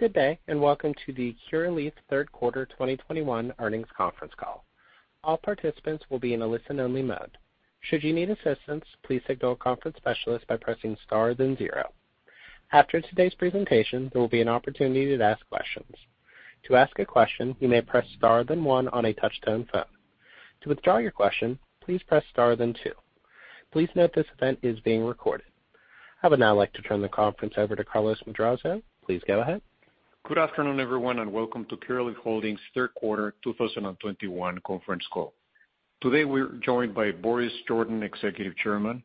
Good day, and welcome to the Curaleaf Q3 2021 Earnings Conference Call. All participants will be in a listen only mode. Should you need assistance, please signal a conference specialist by pressing star then zero. After today's presentation, there will be an opportunity to ask questions. To ask a question, you may press star then one on a touchtone phone. To withdraw your question, please press star then two. Please note this event is being recorded. I would now like to turn the conference over to Carlos Madrazo. Please go ahead. Good afternoon, everyone, and welcome to Curaleaf Holdings Q3 2021 Conference Call. Today we're joined by Boris Jordan, Executive Chairman,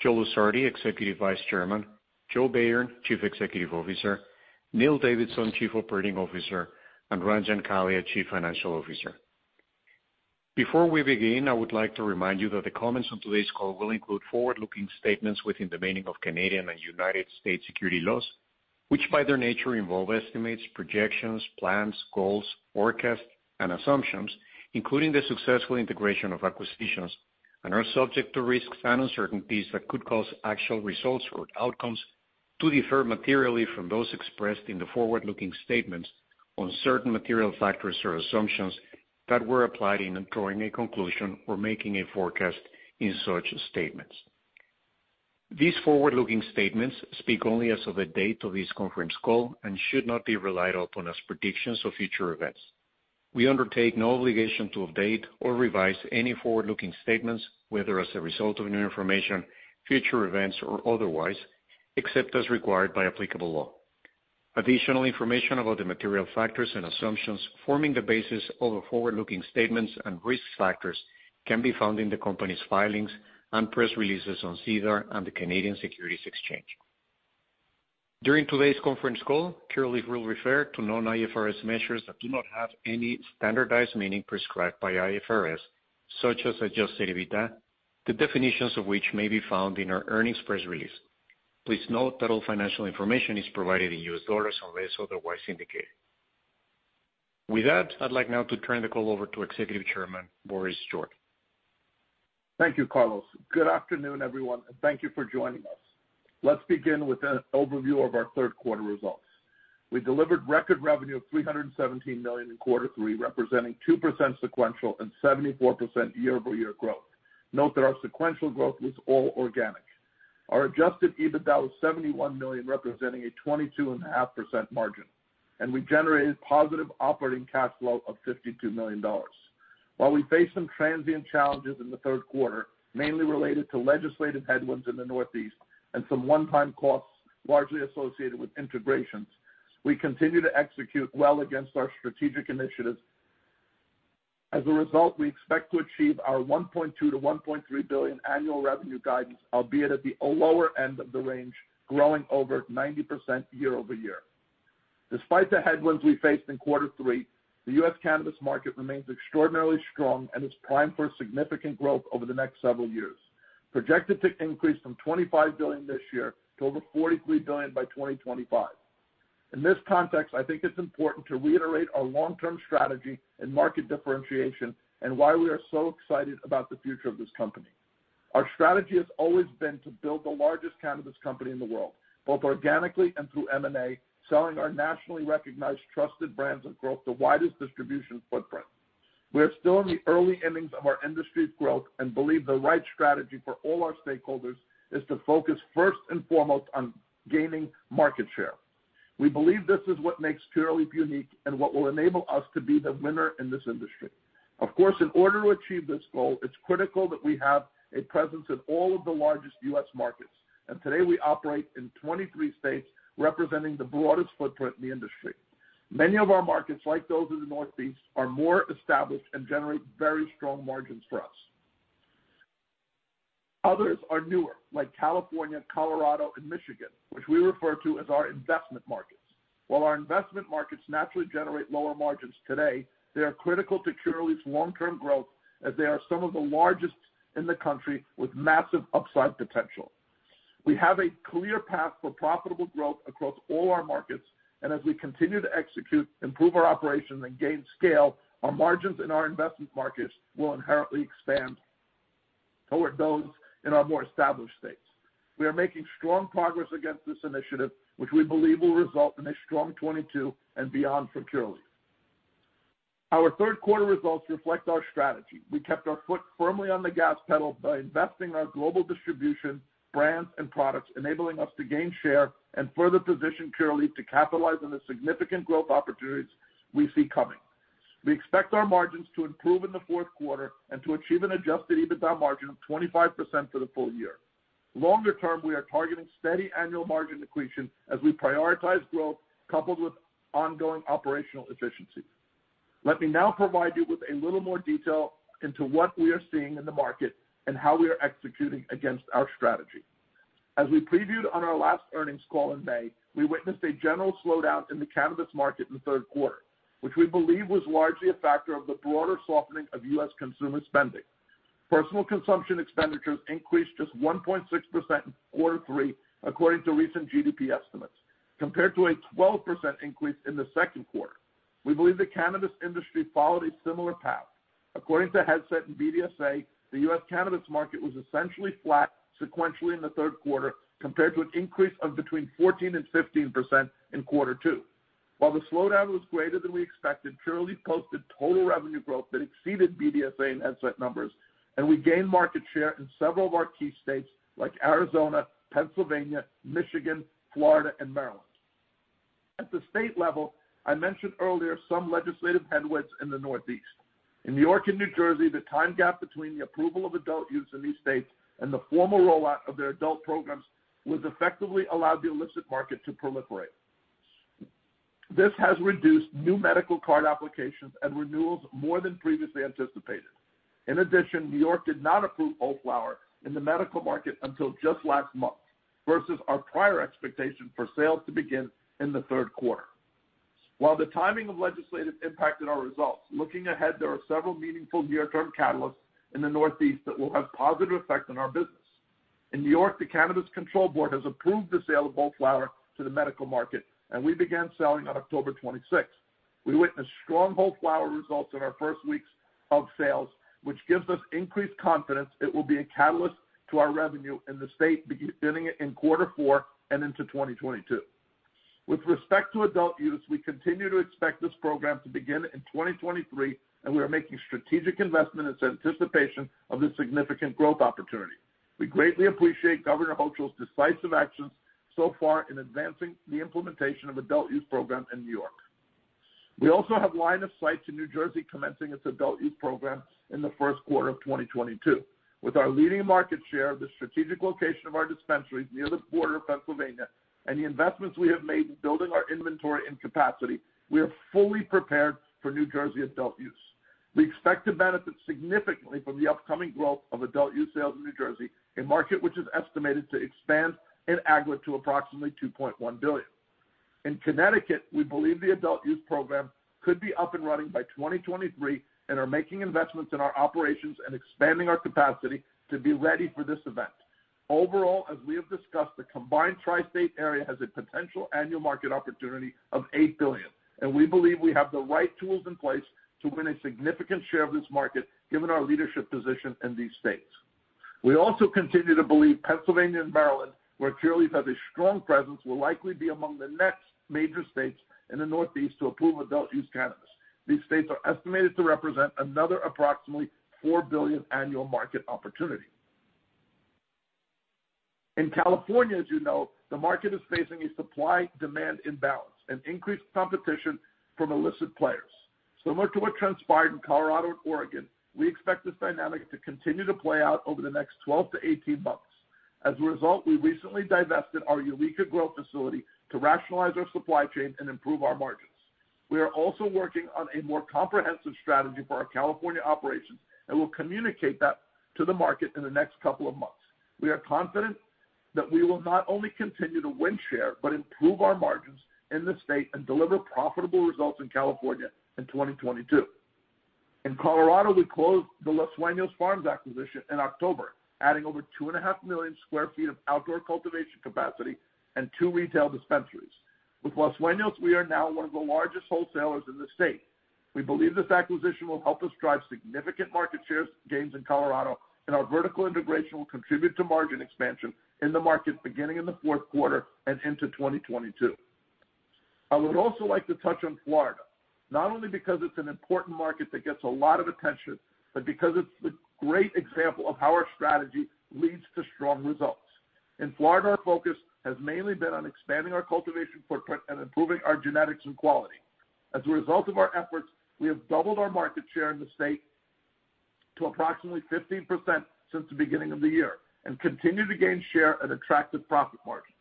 Joe Lusardi, Executive Vice Chairman, Joe Bayern, Chief Executive Officer, Neil Davidson, Chief Operating Officer, and Ranjan Kalia, Chief Financial Officer. Before we begin, I would like to remind you that the comments on today's call will include forward-looking statements within the meaning of Canadian and United States securities laws, which by their nature involve estimates, projections, plans, goals, forecasts, and assumptions, including the successful integration of acquisitions, and are subject to risks and uncertainties that could cause actual results or outcomes to differ materially from those expressed in the forward-looking statements on certain material factors or assumptions that were applied in drawing a conclusion or making a forecast in such statements. These forward-looking statements speak only as of the date of this conference call and should not be relied upon as predictions of future events. We undertake no obligation to update or revise any forward-looking statements, whether as a result of new information, future events, or otherwise, except as required by applicable law. Additional information about the material factors and assumptions forming the basis of our forward-looking statements and risk factors can be found in the company's filings and press releases on SEDAR and the Canadian Securities Exchange. During today's conference call, Curaleaf will refer to non-IFRS measures that do not have any standardized meaning prescribed by IFRS, such as adjusted EBITDA, the definitions of which may be found in our earnings press release. Please note that all financial information is provided in US dollars unless otherwise indicated. With that, I'd like now to turn the call over to Executive Chairman Boris Jordan. Thank you, Carlos. Good afternoon, everyone, and thank you for joining us. Let's begin with an overview of our Q3 results. We delivered record revenue of $317 million in Q3, representing 2% sequential and 74% year-over-year growth. Note that our sequential growth was all organic. Our adjusted EBITDA was $71 million, representing a 22.5% margin, and we generated positive operating cash flow of $52 million. While we face some transient challenges in the Q3, mainly related to legislative headwinds in the Northeast and some one-time costs largely associated with integrations, we continue to execute well against our strategic initiatives. As a result, we expect to achieve our $1.2 billion to $1.3 billion annual revenue guidance, albeit at the lower end of the range, growing over 90% year-over-year. Despite the headwinds we faced in Q3, the U.S. cannabis market remains extraordinarily strong and is primed for significant growth over the next several years, projected to increase from $25 billion this year to over $43 billion by 2025. In this context, I think it's important to reiterate our long-term strategy and market differentiation and why we are so excited about the future of this company. Our strategy has always been to build the largest cannabis company in the world, both organically and through M&A, selling our nationally recognized trusted brands across the widest distribution footprint. We are still in the early innings of our industry's growth and believe the right strategy for all our stakeholders is to focus first and foremost on gaining market share. We believe this is what makes Curaleaf unique and what will enable us to be the winner in this industry. Of course, in order to achieve this goal, it's critical that we have a presence in all of the largest US markets, and today we operate in 23 states, representing the broadest footprint in the industry. Many of our markets, like those in the Northeast, are more established and generate very strong margins for us. Others are newer, like California, Colorado, and Michigan, which we refer to as our investment markets. While our investment markets naturally generate lower margins today, they are critical to Curaleaf's long-term growth as they are some of the largest in the country with massive upside potential. We have a clear path for profitable growth across all our markets, and as we continue to execute, improve our operations, and gain scale, our margins in our investment markets will inherently expand toward those in our more established states. We are making strong progress against this initiative, which we believe will result in a strong 2022 and beyond for Curaleaf. Our Q3 results reflect our strategy. We kept our foot firmly on the gas pedal by investing in our global distribution, brands, and products, enabling us to gain share and further position Curaleaf to capitalize on the significant growth opportunities we see coming. We expect our margins to improve in the Q4 and to achieve an adjusted EBITDA margin of 25% for the full year. Longer term, we are targeting steady annual margin accretion as we prioritize growth coupled with ongoing operational efficiency. Let me now provide you with a little more detail into what we are seeing in the market and how we are executing against our strategy. As we previewed on our last earnings call in May, we witnessed a general slowdown in the cannabis market in the Q3, which we believe was largely a factor of the broader softening of U.S. consumer spending. Personal consumption expenditures increased just 1.6% in Q3, according to recent GDP estimates, compared to a 12% increase in the Q2. We believe the cannabis industry followed a similar path. According to Headset and BDSA, the U.S. cannabis market was essentially flat sequentially in the Q3 compared to an increase of between 14% and 15% in Q2. While the slowdown was greater than we expected, Curaleaf posted total revenue growth that exceeded BDSA and Headset numbers, and we gained market share in several of our key states like Arizona, Pennsylvania, Michigan, Florida, and Maryland. At the state level, I mentioned earlier some legislative headwinds in the Northeast. In New York and New Jersey, the time gap between the approval of adult use in these states and the formal rollout of their adult programs was effectively allowed the illicit market to proliferate. This has reduced new medical card applications and renewals more than previously anticipated. In addition, New York did not approve whole flower in the medical market until just last month versus our prior expectation for sales to begin in the Q3. While the timing of legislation impacted our results, looking ahead, there are several meaningful near-term catalysts in the Northeast that will have positive effects on our business. In New York, the Cannabis Control Board has approved the sale of whole flower to the medical market, and we began selling on October 26. We witnessed strong whole flower results in our first weeks of sales, which gives us increased confidence it will be a catalyst to our revenue in the state beginning in Q4 and into 2022. With respect to adult use, we continue to expect this program to begin in 2023, and we are making strategic investment in anticipation of this significant growth opportunity. We greatly appreciate Governor Hochul's decisive actions so far in advancing the implementation of adult use program in New York. We also have line of sight to New Jersey commencing its adult use program in the Q1 of 2022. With our leading market share, the strategic location of our dispensaries near the border of Pennsylvania, and the investments we have made in building our inventory and capacity, we are fully prepared for New Jersey adult use. We expect to benefit significantly from the upcoming growth of adult-use sales in New Jersey, a market which is estimated to expand in aggregate to approximately $2.1 billion. In Connecticut, we believe the adult-use program could be up and running by 2023 and are making investments in our operations and expanding our capacity to be ready for this event. Overall, as we have discussed, the combined tri-state area has a potential annual market opportunity of $8 billion, and we believe we have the right tools in place to win a significant share of this market given our leadership position in these states. We also continue to believe Pennsylvania and Maryland, where Curaleaf has a strong presence, will likely be among the next major states in the Northeast to approve adult-use cannabis. These states are estimated to represent another approximately $4 billion annual market opportunity. In California, as you know, the market is facing a supply-demand imbalance and increased competition from illicit players. Similar to what transpired in Colorado and Oregon, we expect this dynamic to continue to play out over the next 12 to 18 months. As a result, we recently divested our Eureka grow facility to rationalize our supply chain and improve our margins. We are also working on a more comprehensive strategy for our California operations, and we'll communicate that to the market in the next couple of months. We are confident that we will not only continue to win share, but improve our margins in the state and deliver profitable results in California in 2022. In Colorado, we closed the Los Sueños Farms acquisition in October, adding over 2.5 million sq ft of outdoor cultivation capacity and two retail dispensaries. With Los Sueños, we are now one of the largest wholesalers in the state. We believe this acquisition will help us drive significant market shares gains in Colorado, and our vertical integration will contribute to margin expansion in the market beginning in the Q4 and into 2022. I would also like to touch on Florida, not only because it's an important market that gets a lot of attention, but because it's a great example of how our strategy leads to strong results. In Florida, our focus has mainly been on expanding our cultivation footprint and improving our genetics and quality. As a result of our efforts, we have doubled our market share in the state to approximately 15% since the beginning of the year and continue to gain share at attractive profit margins.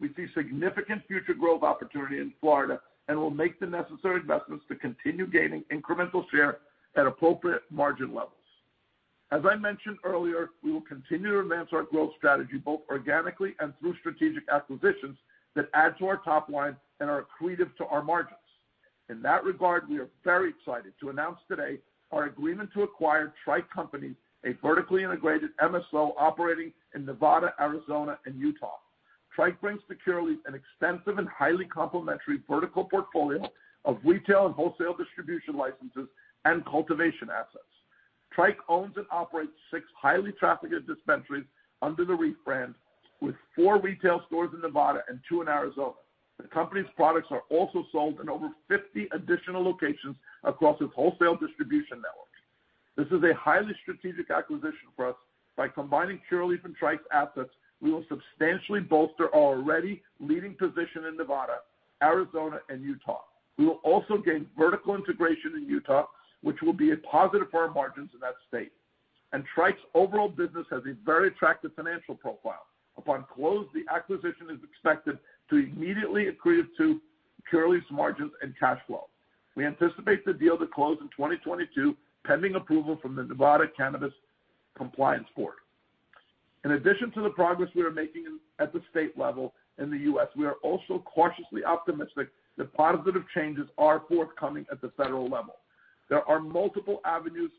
We see significant future growth opportunity in Florida, and we'll make the necessary investments to continue gaining incremental share at appropriate margin levels. As I mentioned earlier, we will continue to advance our growth strategy both organically and through strategic acquisitions that add to our top line and are accretive to our margins. In that regard, we are very excited to announce today our agreement to acquire Tryke Companies, a vertically integrated MSO operating in Nevada, Arizona, and Utah. Tryke brings to Curaleaf an extensive and highly complementary vertical portfolio of retail and wholesale distribution licenses and cultivation assets. Tryke owns and operates six highly trafficked dispensaries under the Reef brand, with four retail stores in Nevada and two in Arizona. The company's products are also sold in over 50 additional locations across its wholesale distribution networks. This is a highly strategic acquisition for us. By combining Curaleaf and Tryke's assets, we will substantially bolster our already leading position in Nevada, Arizona, and Utah. We will also gain vertical integration in Utah, which will be a positive for our margins in that state. Tryke's overall business has a very attractive financial profile. Upon close, the acquisition is expected to immediately accretive to Curaleaf's margins and cash flow. We anticipate the deal to close in 2022, pending approval from the Nevada Cannabis Compliance Board. In addition to the progress we are making at the state level in the U.S., we are also cautiously optimistic that positive changes are forthcoming at the federal level. There are multiple avenues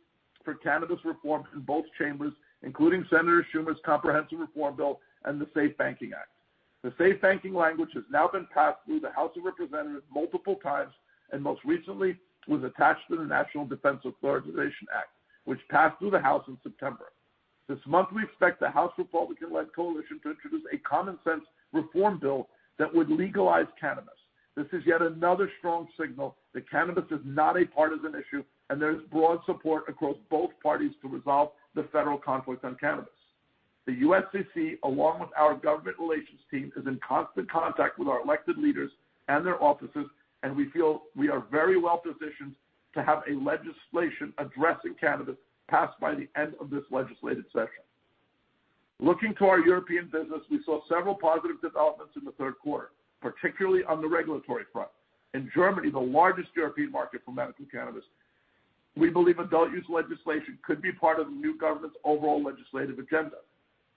for cannabis reform in both chambers, including Senator Schumer's comprehensive reform bill and the SAFE Banking Act. The SAFE Banking language has now been passed through the House of Representatives multiple times, and most recently was attached to the National Defense Authorization Act, which passed through the House in September. This month, we expect the House Republican-led coalition to introduce a common sense reform bill that would legalize cannabis. This is yet another strong signal that cannabis is not a partisan issue, and there is broad support across both parties to resolve the federal conflict on cannabis. The USCC, along with our government relations team, is in constant contact with our elected leaders and their offices, and we feel we are very well-positioned to have a legislation addressing cannabis passed by the end of this legislative session. Looking to our European business, we saw several positive developments in the Q3, particularly on the regulatory front. In Germany, the largest European market for medical cannabis, we believe adult use legislation could be part of the new government's overall legislative agenda.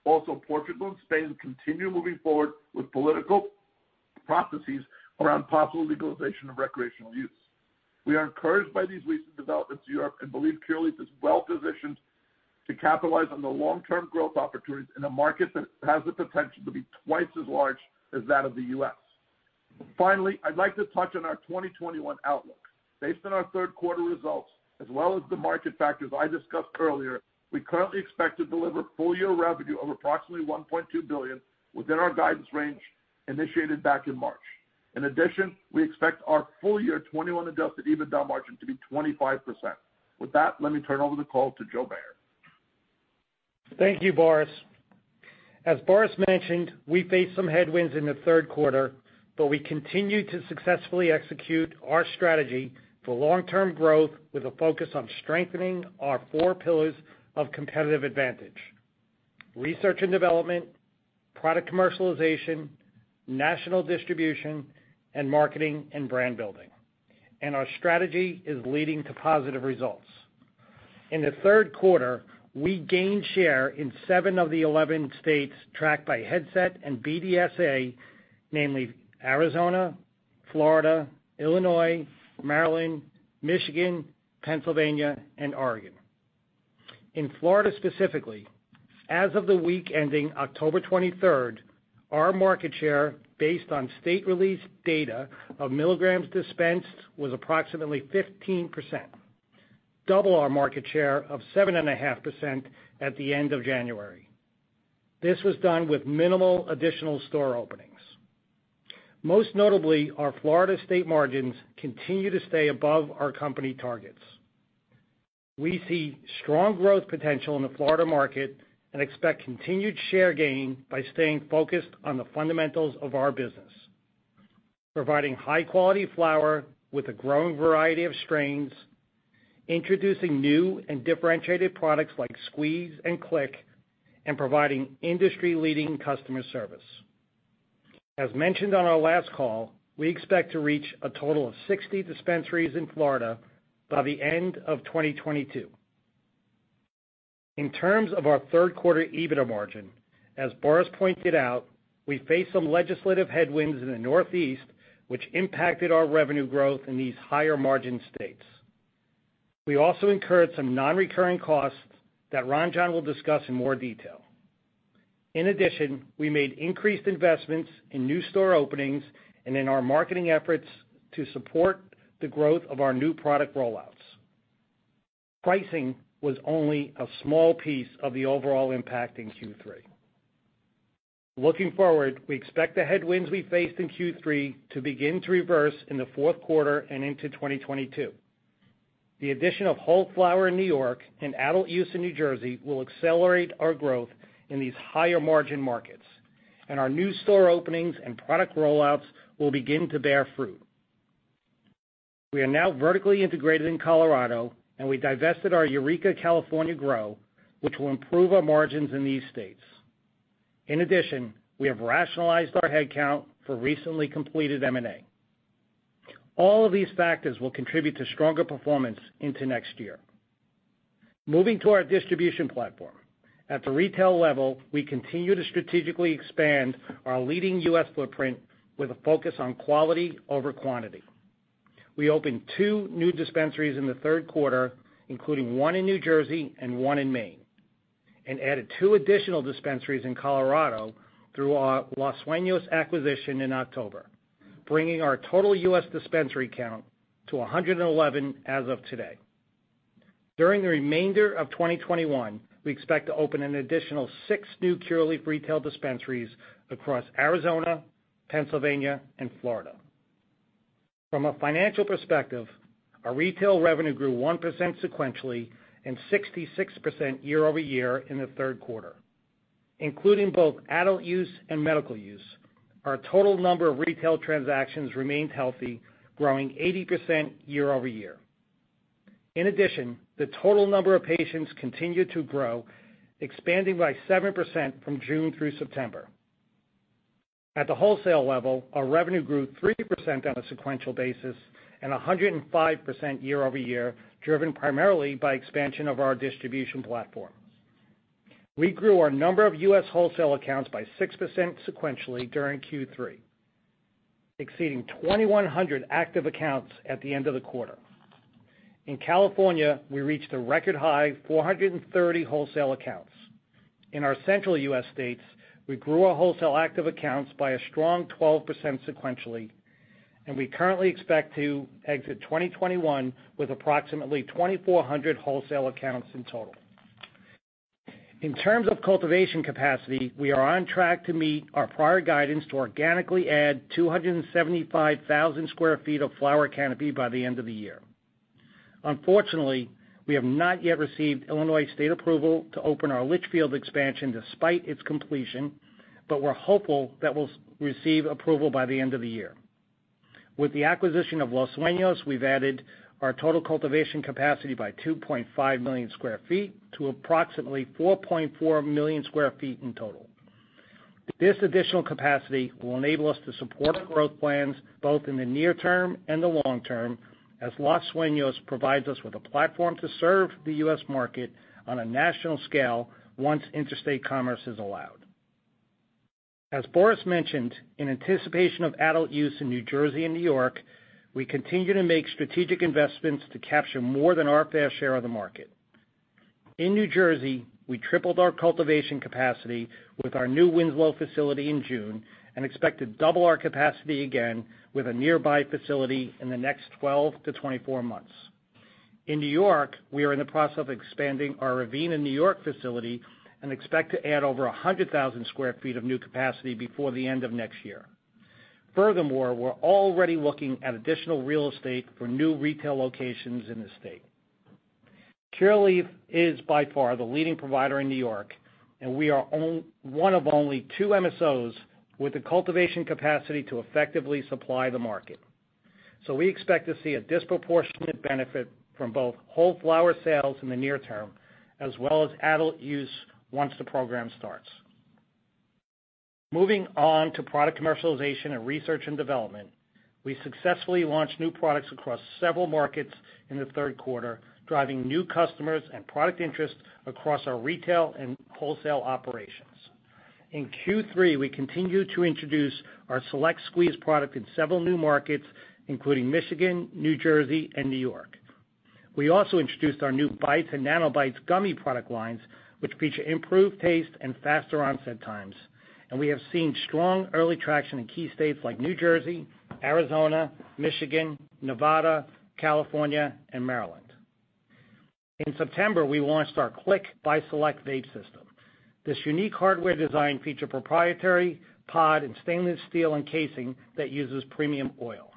Also, Portugal and Spain continue moving forward with political processes around possible legalization of recreational use. We are encouraged by these recent developments in Europe and believe Curaleaf is well-positioned to capitalize on the long-term growth opportunities in a market that has the potential to be twice as large as that of the U.S. Finally, I'd like to touch on our 2021 outlook. Based on our Q3 results, as well as the market factors I discussed earlier, we currently expect to deliver full-year revenue of approximately $1.2 billion within our guidance range initiated back in March. In addition, we expect our full year 2021 adjusted EBITDA margin to be 25%. With that, let me turn over the call to Joe Bayern. Thank you, Boris. As Boris mentioned, we faced some headwinds in the Q3, but we continued to successfully execute our strategy for long-term growth with a focus on strengthening our four pillars of competitive advantage, research and development, product commercialization, national distribution, and marketing and brand building. Our strategy is leading to positive results. In the Q3, we gained share in seven of the 11 states tracked by Headset and BDSA, namely Arizona, Florida, Illinois, Maryland, Michigan, Pennsylvania, and Oregon. In Florida specifically, as of the week ending October 23, our market share based on state-released data of milligrams dispensed was approximately 15%, double our market share of 7.5% at the end of January. This was done with minimal additional store openings. Most notably, our Florida state margins continue to stay above our company targets. We see strong growth potential in the Florida market and expect continued share gain by staying focused on the fundamentals of our business, providing high-quality flower with a growing variety of strains, introducing new and differentiated products like Squeeze and Cliq, and providing industry-leading customer service. As mentioned on our last call, we expect to reach a total of 60 dispensaries in Florida by the end of 2022. In terms of our Q3 EBITDA margin, as Boris pointed out, we faced some legislative headwinds in the Northeast which impacted our revenue growth in these higher-margin states. We also incurred some non-recurring costs that Ranjan Kalia will discuss in more detail. In addition, we made increased investments in new store openings and in our marketing efforts to support the growth of our new product rollouts. Pricing was only a small piece of the overall impact in Q3. Looking forward, we expect the headwinds we faced in Q3 to begin to reverse in the Q4 and into 2022. The addition of whole flower in New York and adult use in New Jersey will accelerate our growth in these higher-margin markets, and our new store openings and product rollouts will begin to bear fruit. We are now vertically integrated in Colorado, and we divested our Eureka, California Grow, which will improve our margins in these states. In addition, we have rationalized our head count for recently completed M&A. All of these factors will contribute to stronger performance into next year. Moving to our distribution platform. At the retail level, we continue to strategically expand our leading U.S. footprint with a focus on quality over quantity. We opened two new dispensaries in the Q3, including one in New Jersey and one in Maine, and added two additional dispensaries in Colorado through our Los Sueños acquisition in October, bringing our total U.S. dispensary count to 111 as of today. During the remainder of 2021, we expect to open an additional six new Curaleaf retail dispensaries across Arizona, Pennsylvania, and Florida. From a financial perspective, our retail revenue grew 1% sequentially and 66% year-over-year in the Q3. Including both adult use and medical use, our total number of retail transactions remained healthy, growing 80% year-over-year. In addition, the total number of patients continued to grow, expanding by 7% from June through September. At the wholesale level, our revenue grew 3% on a sequential basis and 105% year over year, driven primarily by expansion of our distribution platform. We grew our number of U.S. wholesale accounts by 6% sequentially during Q3, exceeding 2,100 active accounts at the end of the quarter. In California, we reached a record high 430 wholesale accounts. In our central U.S. states, we grew our wholesale active accounts by a strong 12% sequentially, and we currently expect to exit 2021 with approximately 2,400 wholesale accounts in total. In terms of cultivation capacity, we are on track to meet our prior guidance to organically add 275,000 sq ft of flower canopy by the end of the year. Unfortunately, we have not yet received Illinois State approval to open our Litchfield expansion despite its completion, but we're hopeful that we'll receive approval by the end of the year. With the acquisition of Los Sueños, we've added our total cultivation capacity by 2.5 million sq ft to approximately 4.4 million sq ft in total. This additional capacity will enable us to support our growth plans both in the near term and the long term, as Los Sueños provides us with a platform to serve the US market on a national scale once interstate commerce is allowed. As Boris mentioned, in anticipation of adult use in New Jersey and New York, we continue to make strategic investments to capture more than our fair share of the market. In New Jersey, we tripled our cultivation capacity with our new Winslow facility in June and expect to double our capacity again with a nearby facility in the next 12 to 24 months. In New York, we are in the process of expanding our Ravena, New York facility and expect to add over 100,000 sq ft of new capacity before the end of next year. Furthermore, we're already looking at additional real estate for new retail locations in the state. Curaleaf is by far the leading provider in New York, and we are one of only two MSOs with the cultivation capacity to effectively supply the market. We expect to see a disproportionate benefit from both whole flower sales in the near term as well as adult use once the program starts. Moving on to product commercialization and research and development. We successfully launched new products across several markets in the Q3, driving new customers and product interest across our retail and wholesale operations. In Q3, we continued to introduce our Select Squeeze product in several new markets, including Michigan, New Jersey, and New York. We also introduced our new Select Bites and Select Nano Bites gummy product lines, which feature improved taste and faster onset times, and we have seen strong early traction in key states like New Jersey, Arizona, Michigan, Nevada, California, and Maryland. In September, we launched our Cliq by Select vape system. This unique hardware design features a proprietary pod and stainless steel casing that uses premium oil.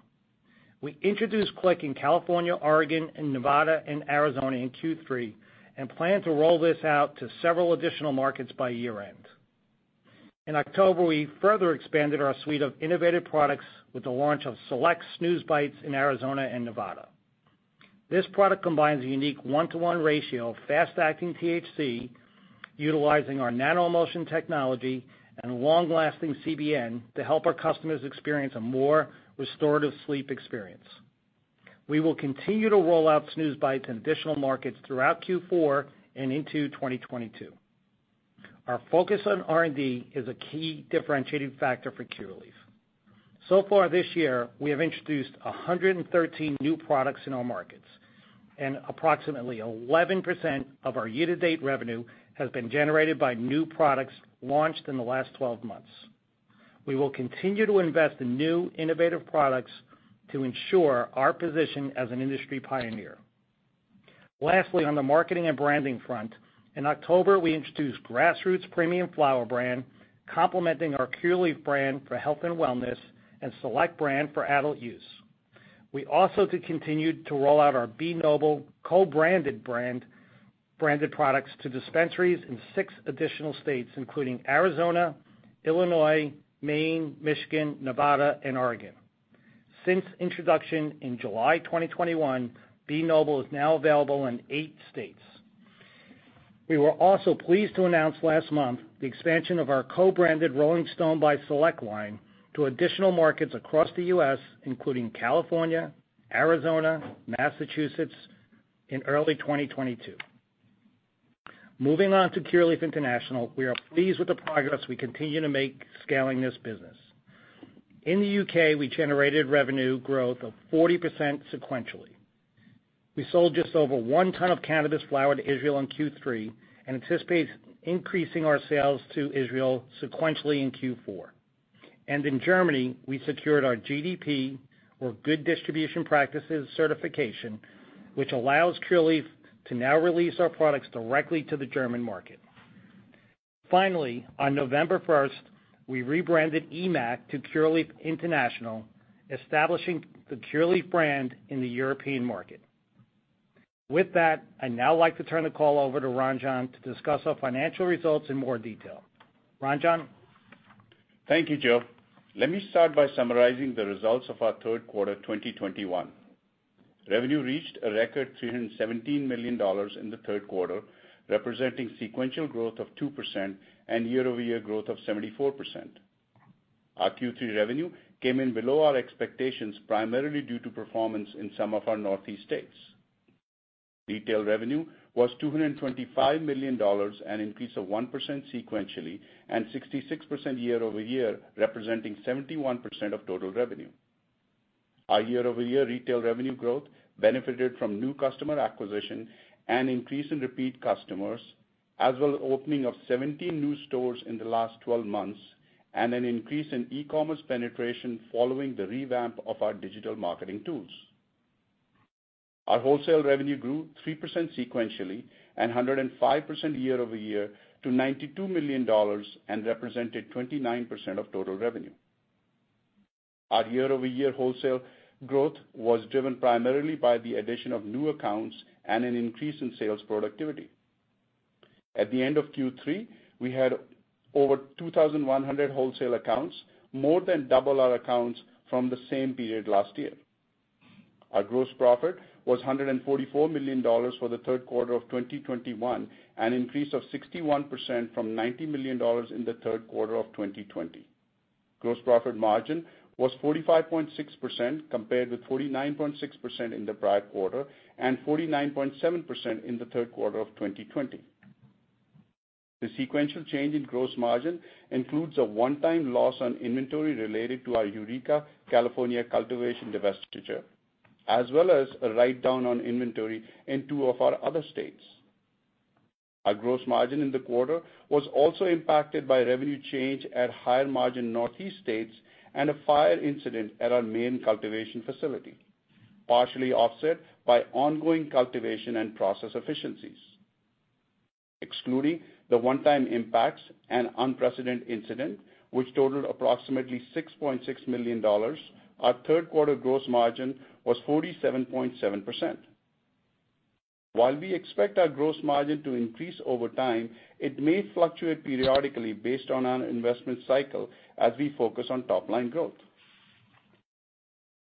We introduced Cliq in California, Oregon, and Nevada, and Arizona in Q3 and plan to roll this out to several additional markets by year-end. In October, we further expanded our suite of innovative products with the launch of Select Snooze Bites in Arizona and Nevada. This product combines a unique 1:1 ratio of fast-acting THC, utilizing our nano emulsion technology and long-lasting CBN to help our customers experience a more restorative sleep experience. We will continue to roll out Snooze Bites in additional markets throughout Q4 and into 2022. Our focus on R&D is a key differentiating factor for Curaleaf. So far this year, we have introduced 113 new products in our markets, and approximately 11% of our year-to-date revenue has been generated by new products launched in the last 12 months. We will continue to invest in new innovative products to ensure our position as an industry pioneer. Lastly, on the marketing and branding front, in October, we introduced Grassroots premium flower brand, complementing our Curaleaf brand for health and wellness, and Select brand for adult use. We also continued to roll out our B Noble co-branded products to dispensaries in six additional states, including Arizona, Illinois, Maine, Michigan, Nevada, and Oregon. Since introduction in July 2021, B Noble is now available in eight states. We were also pleased to announce last month the expansion of our co-branded Rolling Stone by Select line to additional markets across the U.S., including California, Arizona, Massachusetts in early 2022. Moving on to Curaleaf International. We are pleased with the progress we continue to make scaling this business. In the U.K., we generated revenue growth of 40% sequentially. We sold just over one ton of cannabis flower to Israel in Q3 and anticipate increasing our sales to Israel sequentially in Q4. In Germany, we secured our GDP or Good Distribution Practice certification, which allows Curaleaf to now release our products directly to the German market. Finally, on November 1st, we rebranded EMMAC to Curaleaf International, establishing the Curaleaf brand in the European market. With that, I'd now like to turn the call over to Ranjan to discuss our financial results in more detail. Ranjan? Thank you, Joe. Let me start by summarizing the results of our Q32021. Revenue reached a record $317 million in the Q3, representing sequential growth of 2% and year-over-year growth of 74%. Our Q3 revenue came in below our expectations, primarily due to performance in some of our Northeast states. Retail revenue was $225 million, an increase of 1% sequentially and 66% year-over-year, representing 71% of total revenue. Our year-over-year retail revenue growth benefited from new customer acquisition and increase in repeat customers, as well as opening of 17 new stores in the last 12 months and an increase in e-commerce penetration following the revamp of our digital marketing tools. Our wholesale revenue grew 3% sequentially and 105% year-over-year to $92 million and represented 29% of total revenue. Our year-over-year wholesale growth was driven primarily by the addition of new accounts and an increase in sales productivity. At the end of Q3, we had over 2,100 wholesale accounts, more than double our accounts from the same period last year. Our gross profit was $144 million for the Q3 of 2021, an increase of 61% from $90 million in the Q3 of 2020. Gross profit margin was 45.6%, compared with 49.6% in the prior quarter and 49.7% in the Q3 of 2020. The sequential change in gross margin includes a one-time loss on inventory related to our Eureka, California cultivation divestiture, as well as a write-down on inventory in two of our other states. Our gross margin in the quarter was also impacted by revenue change at higher margin Northeast states and a fire incident at our main cultivation facility, partially offset by ongoing cultivation and process efficiencies. Excluding the one-time impacts and unprecedented incident, which totaled approximately $6.6 million, our Q3 gross margin was 47.7%. While we expect our gross margin to increase over time, it may fluctuate periodically based on our investment cycle as we focus on top line growth.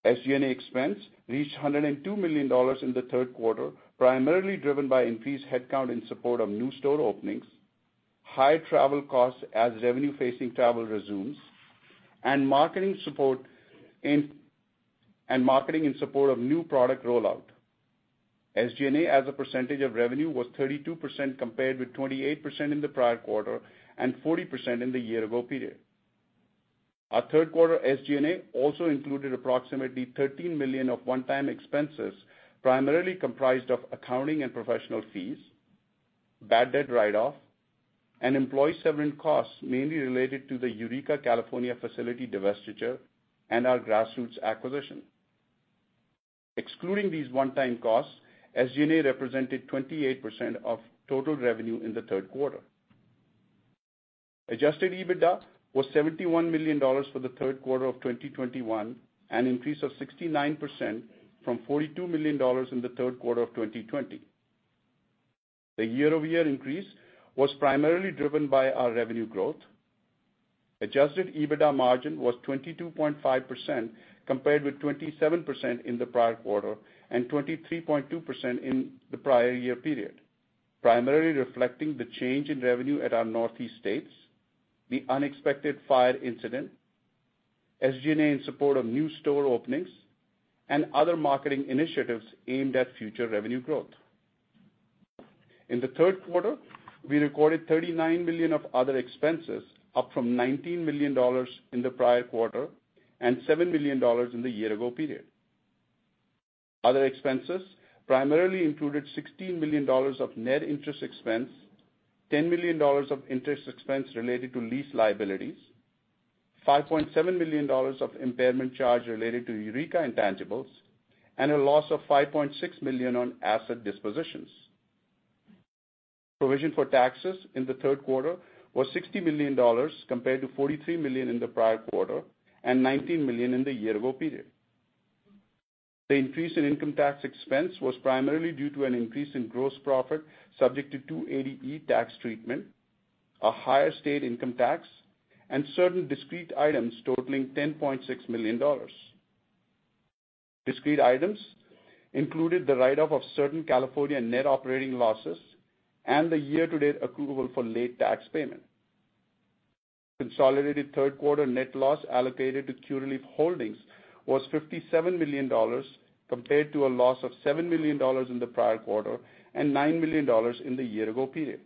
SG&A expense reached $102 million in the Q3, primarily driven by increased headcount in support of new store openings, high travel costs as revenue-facing travel resumes, and marketing in support of new product rollout. SG&A as a percentage of revenue was 32%, compared with 28% in the prior quarter and 40% in the year-ago period. Our Q3 SG&A also included approximately $13 million of one-time expenses, primarily comprised of accounting and professional fees, bad debt write-off, and employee severance costs mainly related to the Eureka, California facility divestiture and our Grassroots acquisition. Excluding these one-time costs, SG&A represented 28% of total revenue in the Q3. Adjusted EBITDA was $71 million for the Q3 of 2021, an increase of 69% from $42 million in the Q3 of 2020. The year-over-year increase was primarily driven by our revenue growth. Adjusted EBITDA margin was 22.5% compared with 27% in the prior quarter and 23.2% in the prior year period, primarily reflecting the change in revenue at our Northeast states, the unexpected fire incident, SG&A in support of new store openings, and other marketing initiatives aimed at future revenue growth. In the Q3, we recorded $39 million of other expenses, up from $19 million in the prior quarter and $7 million in the year ago period. Other expenses primarily included $16 million of net interest expense, $10 million of interest expense related to lease liabilities, $5.7 million of impairment charge related to Eureka intangibles, and a loss of $5.6 million on asset dispositions. Provision for taxes in the Q3 was $60 million compared to $43 million in the prior quarter and $19 million in the year ago period. The increase in income tax expense was primarily due to an increase in gross profit subject to 280E tax treatment, a higher state income tax, and certain discrete items totaling $10.6 million. Discrete items included the write off of certain California net operating losses and the year to date accrual for late tax payment. Consolidated Q3 net loss allocated to Curaleaf Holdings was $57 million compared to a loss of $7 million in the prior quarter and $9 million in the year ago period.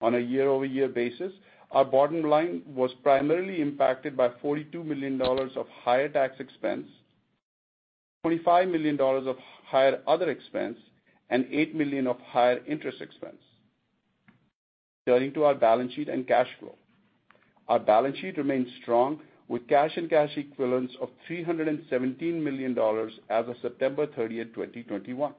On a year-over-year basis, our bottom line was primarily impacted by $42 million of higher tax expense, $25 million of higher other expense, and $8 million of higher interest expense. Turning to our balance sheet and cash flow. Our balance sheet remains strong with cash and cash equivalents of $317 million as of September 30, 2021.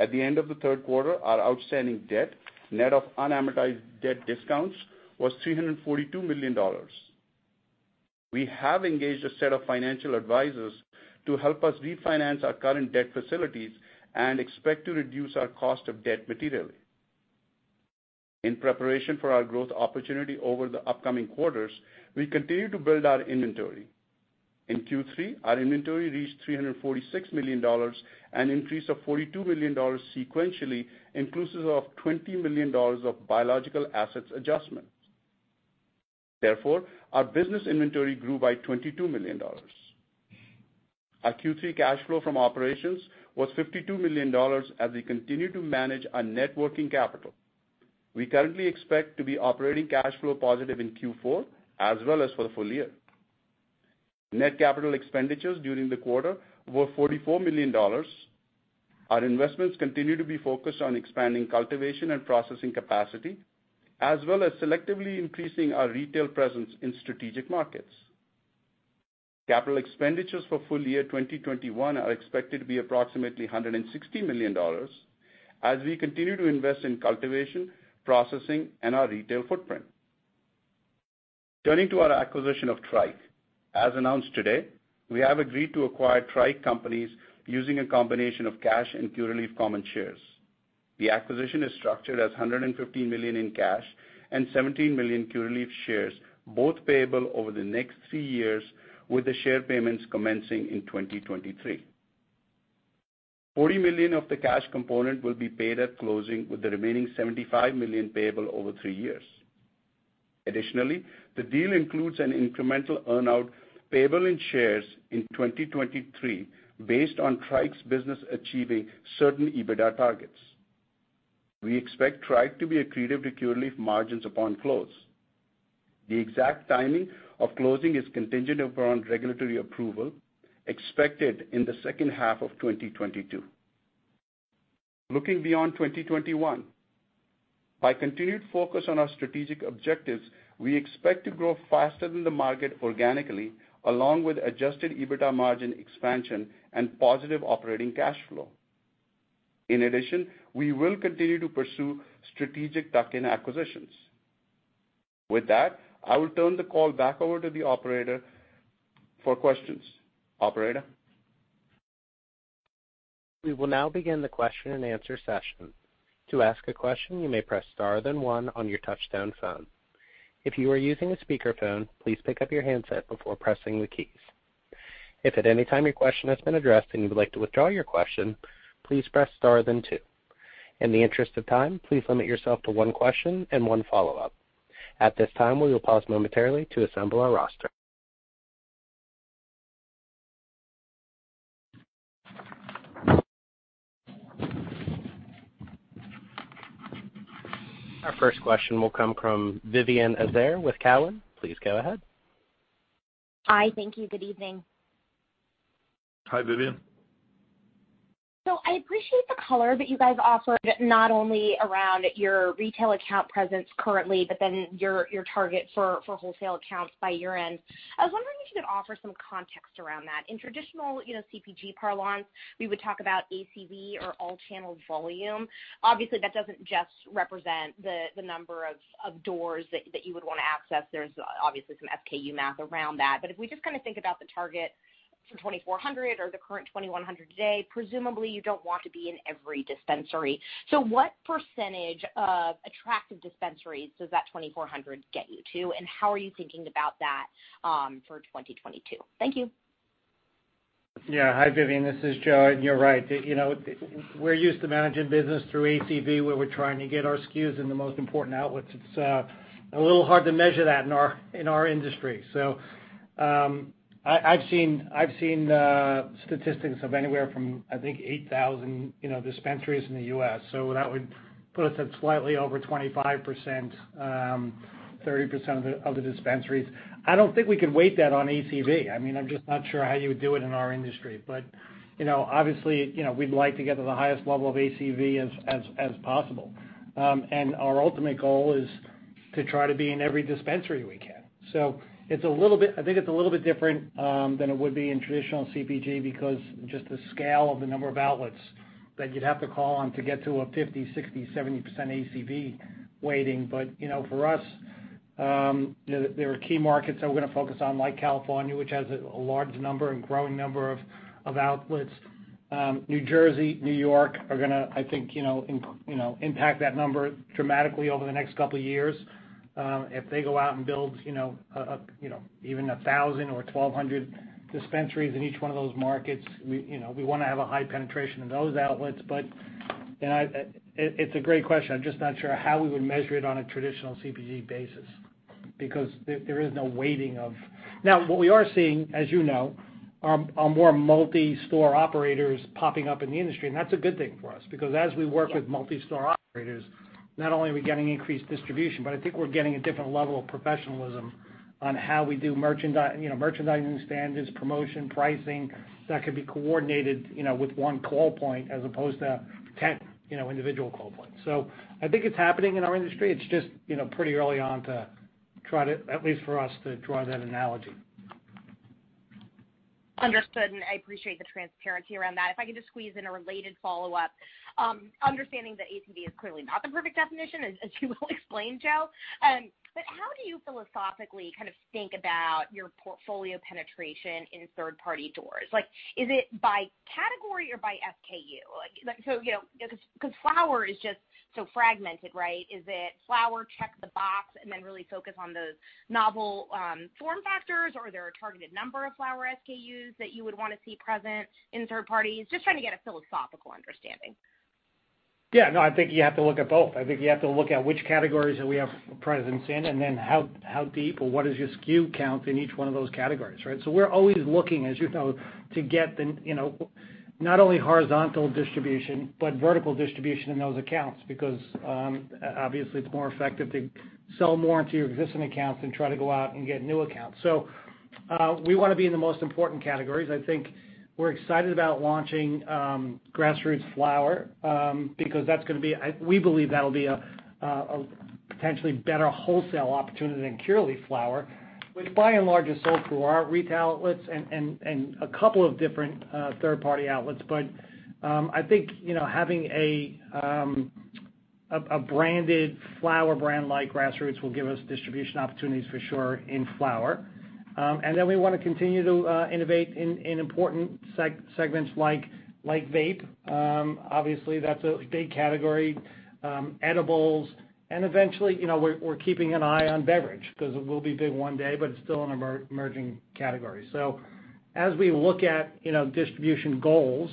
At the end of the Q3, our outstanding debt, net of unamortized debt discounts, was $342 million. We have engaged a set of financial advisors to help us refinance our current debt facilities and expect to reduce our cost of debt materially. In preparation for our growth opportunity over the upcoming quarters, we continue to build our inventory. In Q3, our inventory reached $346 million, an increase of $42 million sequentially, inclusive of $20 million of biological assets adjustment. Therefore, our business inventory grew by $22 million. Our Q3 cash flow from operations was $52 million as we continue to manage our net working capital. We currently expect to be operating cash flow positive in Q4 as well as for the full year. Net capital expenditures during the quarter were $44 million. Our investments continue to be focused on expanding cultivation and processing capacity, as well as selectively increasing our retail presence in strategic markets. Capital expenditures for full year 2021 are expected to be approximately $160 million as we continue to invest in cultivation, processing, and our retail footprint. Turning to our acquisition of Tryke. As announced today, we have agreed to acquire Tryke Companies using a combination of cash and Curaleaf common shares. The acquisition is structured as $150 million in cash and 17 million Curaleaf shares, both payable over the next three years, with the share payments commencing in 2023. $40 million of the cash component will be paid at closing, with the remaining $75 million payable over three years. Additionally, the deal includes an incremental earn-out payable in shares in 2023 based on Tryke's business achieving certain EBITDA targets. We expect Tryke to be accretive to Curaleaf margins upon close. The exact timing of closing is contingent upon regulatory approval expected in the H2 of 2022. Looking beyond 2021 by continued focus on our strategic objectives, we expect to grow faster than the market organically, along with adjusted EBITDA margin expansion and positive operating cash flow. In addition, we will continue to pursue strategic tuck-in acquisitions. With that, I will turn the call back over to the operator for questions. Operator? We will now begin the question-and-answer session. To ask a question, you may press star, then one on your touchtone phone. If you are using a speakerphone, please pick up your handset before pressing the keys. If at any time your question has been addressed and you would like to withdraw your question, please press star then two. In the interest of time, please limit yourself to one question and one follow-up. At this time, we will pause momentarily to assemble our roster. Our first question will come from Vivien Azer with Cowen. Please go ahead. Hi. Thank you. Good evening. Hi, Vivien. I appreciate the color that you guys offered not only around your retail account presence currently, but then your target for wholesale accounts by year-end. I was wondering if you could offer some context around that. In traditional, you know, CPG parlance, we would talk about ACV or all channel volume. Obviously, that doesn't just represent the number of doors that you would wanna access. There's obviously some SKU math around that. But if we just kinda think about the target from 2,400 or the current 2,100 today, presumably you don't want to be in every dispensary. What percentage of attractive dispensaries does that 2,400 get you to and how are you thinking about that for 2022? Thank you. Yeah. Hi, Vivien. This is Joe, and you're right. You know, we're used to managing business through ACV, where we're trying to get our SKUs in the most important outlets. It's a little hard to measure that in our industry. I've seen statistics of anywhere from, I think, 8,000 dispensaries in the U.S. So that would put us at slightly over 25%, 30% of the dispensaries. I don't think we could weight that on ACV. I mean, I'm just not sure how you would do it in our industry. You know, obviously, we'd like to get to the highest level of ACV as possible. Our ultimate goal is to try to be in every dispensary we can. I think it's a little bit different than it would be in traditional CPG because just the scale of the number of outlets that you'd have to call on to get to a 50%, 60%, 70% ACV weighting. You know, for us, you know, there are key markets that we're gonna focus on, like California, which has a large number and growing number of outlets. New Jersey, New York are gonna, I think, you know, impact that number dramatically over the next couple of years. If they go out and build, you know, even 1,000 or 1,200 dispensaries in each one of those markets, we you know, we wanna have a high penetration in those outlets. You know, it's a great question. I'm just not sure how we would measure it on a traditional CPG basis because there is no weighting of. Now, what we are seeing, as you know, are more multi-store operators popping up in the industry, and that's a good thing for us. Because as we work with multi-store operators, not only are we getting increased distribution, but I think we're getting a different level of professionalism on how we do merchandising standards, promotion, pricing that could be coordinated, you know, with one call point as opposed to ten, you know, individual call points. I think it's happening in our industry. It's just, you know, pretty early on to try to, at least for us, to draw that analogy. Understood, and I appreciate the transparency around that. If I could just squeeze in a related follow-up. Understanding that ACV is clearly not the perfect definition, as you well explained, Joe. But how do you philosophically kind of think about your portfolio penetration in third-party doors? Like, is it by category or by SKU? Like, so, you know, because flower is just so fragmented, right? Is it flower, check the box, and then really focus on the novel form factors? Or are there a targeted number of flower SKUs that you would wanna see present in third parties? Just trying to get a philosophical understanding. Yeah. No, I think you have to look at both. I think you have to look at which categories that we have presence in and then how deep or what is your SKU count in each one of those categories, right? We're always looking, as you know, to get the, you know, not only horizontal distribution, but vertical distribution in those accounts because obviously it's more effective to sell more into your existing accounts than try to go out and get new accounts. We wanna be in the most important categories. I think we're excited about launching Grassroots flower because that's gonna be. We believe that'll be a potentially better wholesale opportunity than Curaleaf flower, which by and large is sold through our retail outlets and a couple of different third-party outlets. I think, you know, having a branded flower brand like Grassroots will give us distribution opportunities for sure in flower. Then we wanna continue to innovate in important segments like vape. Obviously, that's a big category, edibles, and eventually, you know, we're keeping an eye on beverage because it will be big one day, but it's still an emerging category. As we look at, you know, distribution goals,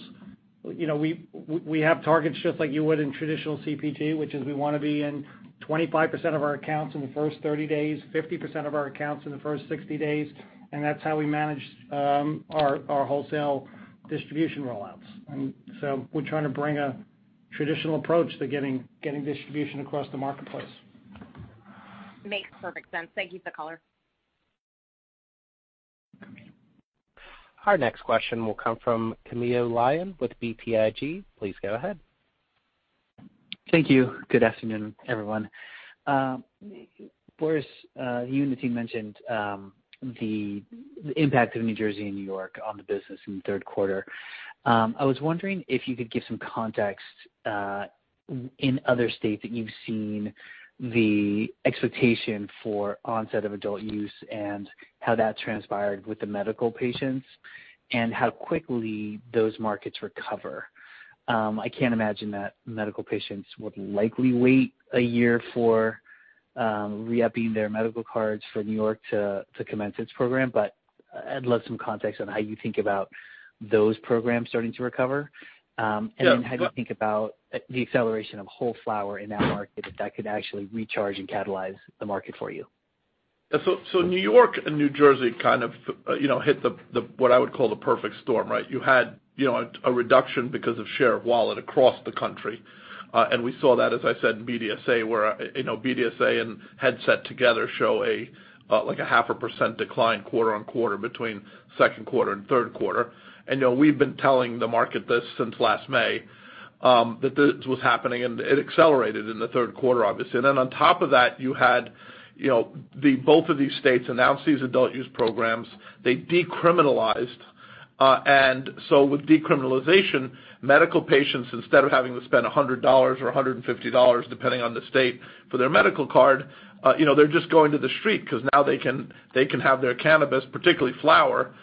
you know, we have targets just like you would in traditional CPG, which is we wanna be in 25% of our accounts in the first 30 days, 50% of our accounts in the first 60 days, and that's how we manage our wholesale distribution roll-outs. We're trying to bring a traditional approach to getting distribution across the marketplace. Makes perfect sense. Thank you for the color. Our next question will come from Camilo Lyon with BTIG. Please go ahead. Thank you. Good afternoon, everyone. Boris, you and the team mentioned the impact of New Jersey and New York on the business in the Q3. I was wondering if you could give some context in other states that you've seen the expectation for onset of adult use and how that transpired with the medical patients and how quickly those markets recover. I can't imagine that medical patients would likely wait a year for re-upping their medical cards for New York to commence its program, but I'd love some context on how you think about those programs starting to recover. How do you think about the acceleration of whole flower in that market that could actually recharge and catalyze the market for you? New York and New Jersey kind of, you know, hit what I would call the perfect storm, right? You had, you know, a reduction because of share of wallet across the country. We saw that, as I said, in BDSA, where, you know, BDSA and Headset together show a like 0.5% decline quarter-over-quarter between Q2 and Q3. You know, we've been telling the market this since last May, that this was happening, and it accelerated in the Q3, obviously. On top of that, you had both of these states announce these adult use programs. They decriminalized, and with decriminalization, medical patients, instead of having to spend $100 or $150, depending on the state, for their medical card, they're just going to the street 'cause now they can. They can have their cannabis, particularly flower.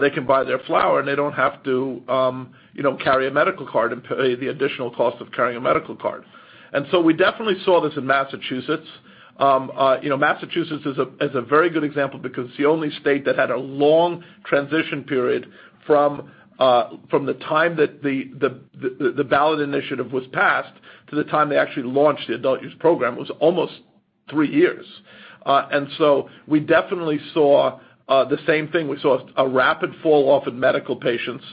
They can buy their flower, and they don't have to carry a medical card and pay the additional cost of carrying a medical card. We definitely saw this in Massachusetts. You know, Massachusetts is a very good example because it's the only state that had a long transition period from the time that the ballot initiative was passed to the time they actually launched the adult use program was almost three years. We definitely saw the same thing. We saw a rapid fall-off in medical patients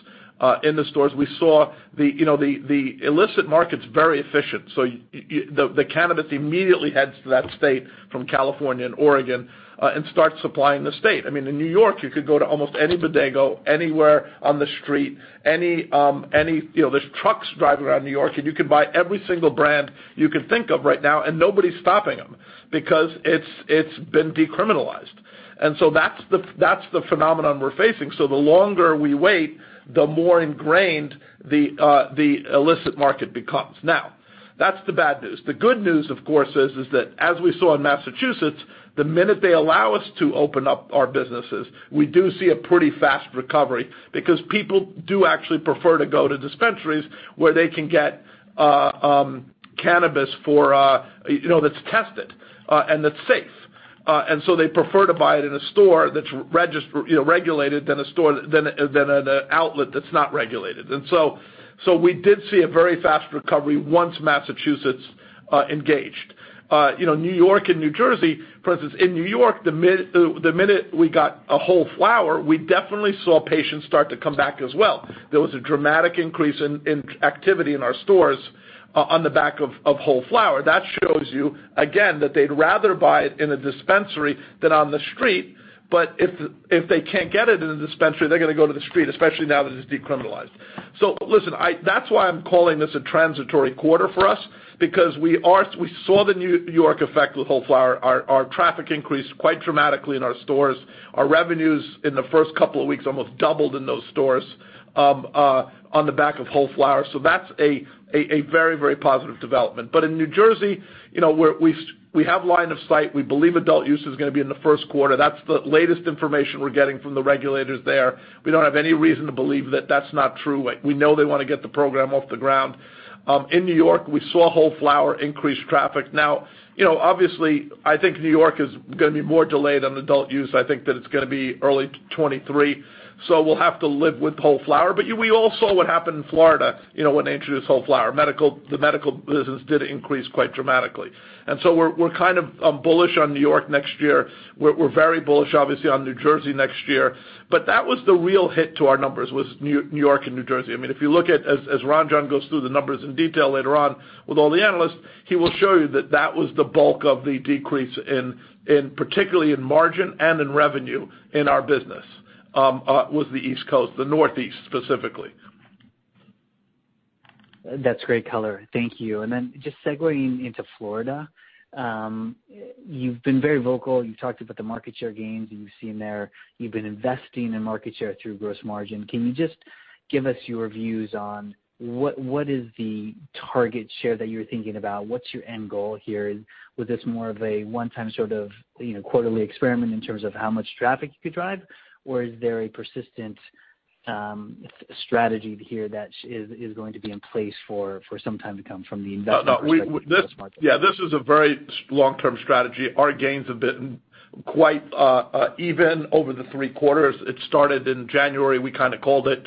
in the stores. We saw you know, the illicit market's very efficient, so the cannabis immediately heads to that state from California and Oregon and starts supplying the state. I mean, in New York, you could go to almost any bodega, anywhere on the street, any you know. There's trucks driving around New York, and you can buy every single brand you can think of right now, and nobody's stopping them because it's been decriminalized. That's the phenomenon we're facing. The longer we wait, the more ingrained the illicit market becomes. That's the bad news. The good news, of course, is that as we saw in Massachusetts, the minute they allow us to open up our businesses, we do see a pretty fast recovery because people do actually prefer to go to dispensaries where they can get cannabis for, you know, that's tested and that's safe. They prefer to buy it in a store that's, you know, regulated than a store than an outlet that's not regulated. We did see a very fast recovery once Massachusetts engaged. You know, New York and New Jersey, for instance, in New York, the minute we got a whole flower, we definitely saw patients start to come back as well. There was a dramatic increase in activity in our stores on the back of whole flower. That shows you, again, that they'd rather buy it in a dispensary than on the street. If they can't get it in a dispensary, they're gonna go to the street, especially now that it's decriminalized. Listen, that's why I'm calling this a transitory quarter for us because we saw the New York effect with whole flower. Our traffic increased quite dramatically in our stores. Our revenues in the first couple of weeks almost doubled in those stores on the back of whole flower. That's a very positive development. In New Jersey, you know, we have line of sight. We believe adult use is gonna be in the Q1. That's the latest information we're getting from the regulators there. We don't have any reason to believe that that's not true. We know they wanna get the program off the ground. In New York, we saw whole flower increase traffic. Now, you know, obviously, I think New York is gonna be more delayed on adult-use. I think that it's gonna be early 2023. We'll have to live with whole flower, but we all saw what happened in Florida, you know, when they introduced whole flower. Medical, the medical business did increase quite dramatically. We're kind of bullish on New York next year. We're very bullish, obviously, on New Jersey next year. That was the real hit to our numbers was New York and New Jersey. I mean, if you look at, as Ranjan goes through the numbers in detail later on with all the analysts, he will show you that was the bulk of the decrease in, particularly in margin and in revenue in our business, was the East Coast, the Northeast specifically. That's great color. Thank you. Then just segueing into Florida, you've been very vocal. You talked about the market share gains that you've seen there. You've been investing in market share through gross margin. Can you just give us your views on what is the target share that you're thinking about? What's your end goal here? Was this more of a one-time sort of, you know, quarterly experiment in terms of how much traffic you could drive? Or is there a persistent strategy here that is going to be in place for some time to come from the investment perspective? No, this is a very long-term strategy. Our gains have been quite even over the three quarters. It started in January. We kinda called it.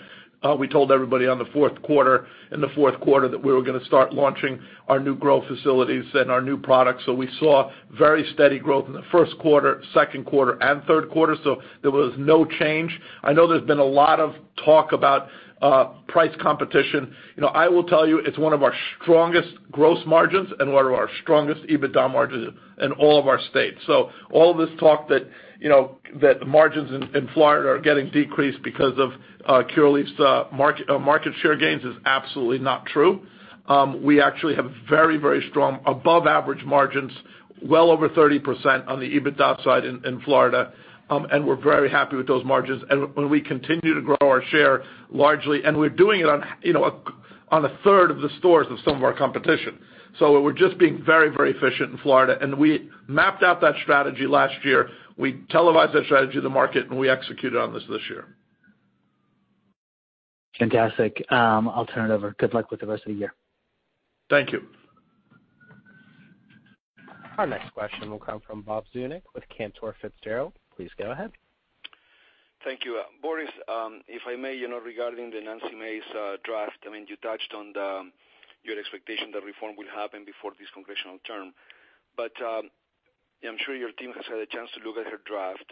We told everybody on the Q4, in the Q4 that we were gonna start launching our new growth facilities and our new products. We saw very steady growth in the Q1, Q2, and Q3. There was no change. I know there's been a lot of talk about price competition. You know, I will tell you, it's one of our strongest gross margins and one of our strongest EBITDA margins in all of our states. All this talk that, you know, that margins in Florida are getting decreased because of Curaleaf's market share gains is absolutely not true. We actually have very, very strong above average margins, well over 30% on the EBITDA side in Florida, and we're very happy with those margins. When we continue to grow our share largely, and we're doing it on, you know, on 1/3 of the stores of some of our competition. We're just being very, very efficient in Florida, and we mapped out that strategy last year. We televised that strategy to the market, and we executed on it this year. Fantastic. I'll turn it over. Good luck with the rest of the year. Thank you. Our next question will come from Pablo Zuanic with Cantor Fitzgerald. Please go ahead. Thank you. Boris, if I may, you know, regarding the Nancy Mace draft, I mean, you touched on your expectation that reform will happen before this congressional term. Yeah, I'm sure your team has had a chance to look at her draft.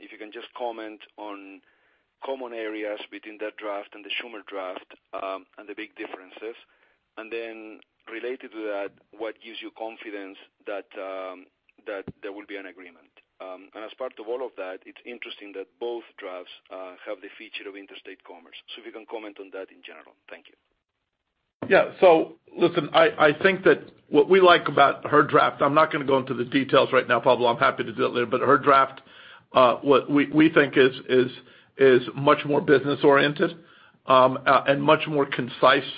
If you can just comment on common areas between that draft and the Schumer draft, and the big differences. Related to that, what gives you confidence that there will be an agreement? As part of all of that, it's interesting that both drafts have the feature of interstate commerce. If you can comment on that in general. Thank you. Yeah. Listen, I think that what we like about her draft. I'm not gonna go into the details right now, Pablo. I'm happy to do it later. Her draft, what we think is much more business oriented and much more concise.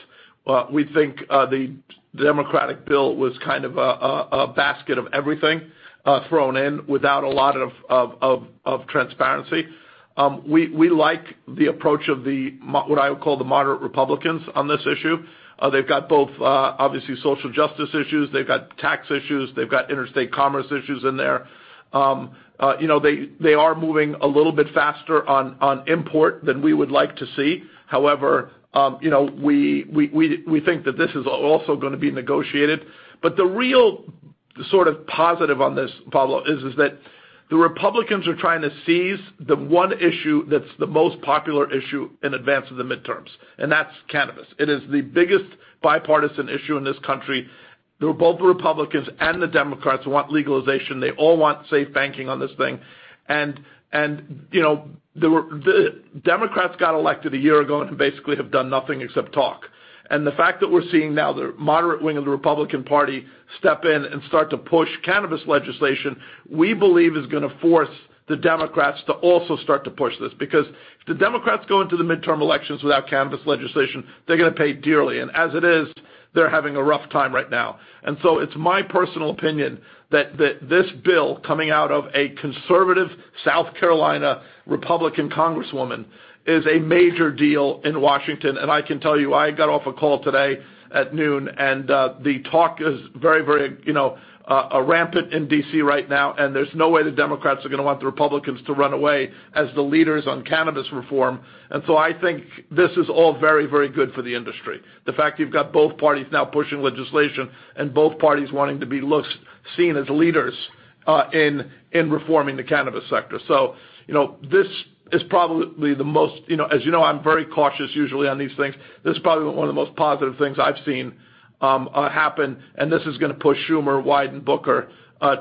We think the Democratic bill was kind of a basket of everything thrown in without a lot of transparency. We like the approach of what I would call the moderate Republicans on this issue. They've got both, obviously social justice issues. They've got tax issues. They've got interstate commerce issues in there. You know, they are moving a little bit faster on import than we would like to see. However, you know, we think that this is also gonna be negotiated. The real sort of positive on this, Pablo, is that the Republicans are trying to seize the one issue that's the most popular issue in advance of the midterms, and that's cannabis. It is the biggest bipartisan issue in this country. Both the Republicans and the Democrats want legalization. They all want safe banking on this thing. You know, the Democrats got elected a year ago and basically have done nothing except talk. The fact that we're seeing now the moderate wing of the Republican Party step in and start to push cannabis legislation, we believe is gonna force the Democrats to also start to push this. Because if the Democrats go into the midterm elections without cannabis legislation, they're gonna pay dearly. As it is, they're having a rough time right now. It's my personal opinion that this bill coming out of a conservative South Carolina Republican congresswoman is a major deal in Washington. I can tell you, I got off a call today at noon, and the talk is very, you know, rampant in D.C. right now, and there's no way the Democrats are gonna want the Republicans to run away as the leaders on cannabis reform. I think this is all very good for the industry. The fact you've got both parties now pushing legislation and both parties wanting to be looked, seen as leaders in reforming the cannabis sector. You know, this is probably the most. You know, as you know, I'm very cautious usually on these things. This is probably one of the most positive things I've seen happen, and this is gonna push Schumer, Wyden, Booker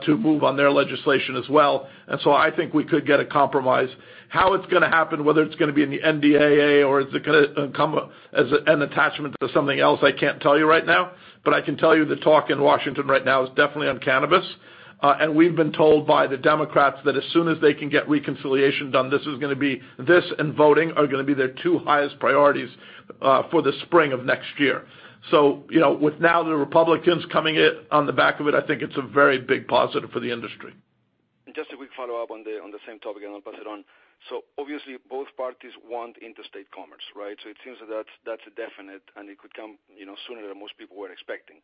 to move on their legislation as well. I think we could get a compromise. How it's gonna happen, whether it's gonna be in the NDAA or is it gonna come as an attachment to something else, I can't tell you right now. I can tell you the talk in Washington right now is definitely on cannabis. We've been told by the Democrats that as soon as they can get reconciliation done, this and voting are gonna be their two highest priorities for the spring of next year. You know, with now the Republicans coming in on the back of it, I think it's a very big positive for the industry. Just a quick follow-up on the same topic, and I'll pass it on. Obviously, both parties want interstate commerce, right? It seems that that's a definite, and it could come, you know, sooner than most people were expecting.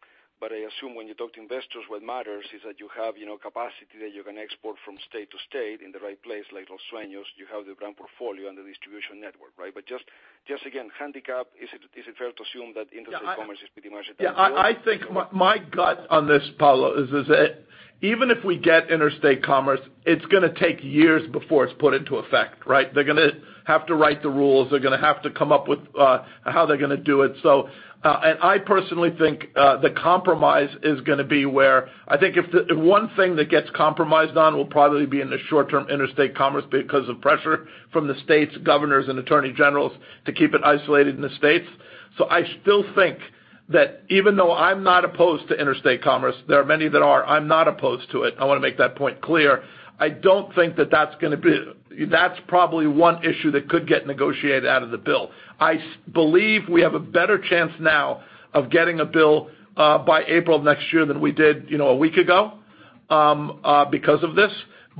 I assume when you talk to investors, what matters is that you have, you know, capacity that you can export from state to state in the right place, like Los Sueños, you have the brand portfolio and the distribution network, right? Just again, handicap, is it fair to assume that interstate commerce is pretty much a done deal? Yeah. I think my gut on this, Pablo, is that even if we get interstate commerce, it's gonna take years before it's put into effect, right? They're gonna have to write the rules. They're gonna have to come up with how they're gonna do it. I personally think the compromise is gonna be where I think if the one thing that gets compromised on will probably be in the short term, interstate commerce, because of pressure from the states, governors, and attorney generals to keep it isolated in the states. I still think that even though I'm not opposed to interstate commerce, there are many that are. I'm not opposed to it. I wanna make that point clear. I don't think that that's gonna be. That's probably one issue that could get negotiated out of the bill. I believe we have a better chance now of getting a bill by April of next year than we did, you know, a week ago because of this.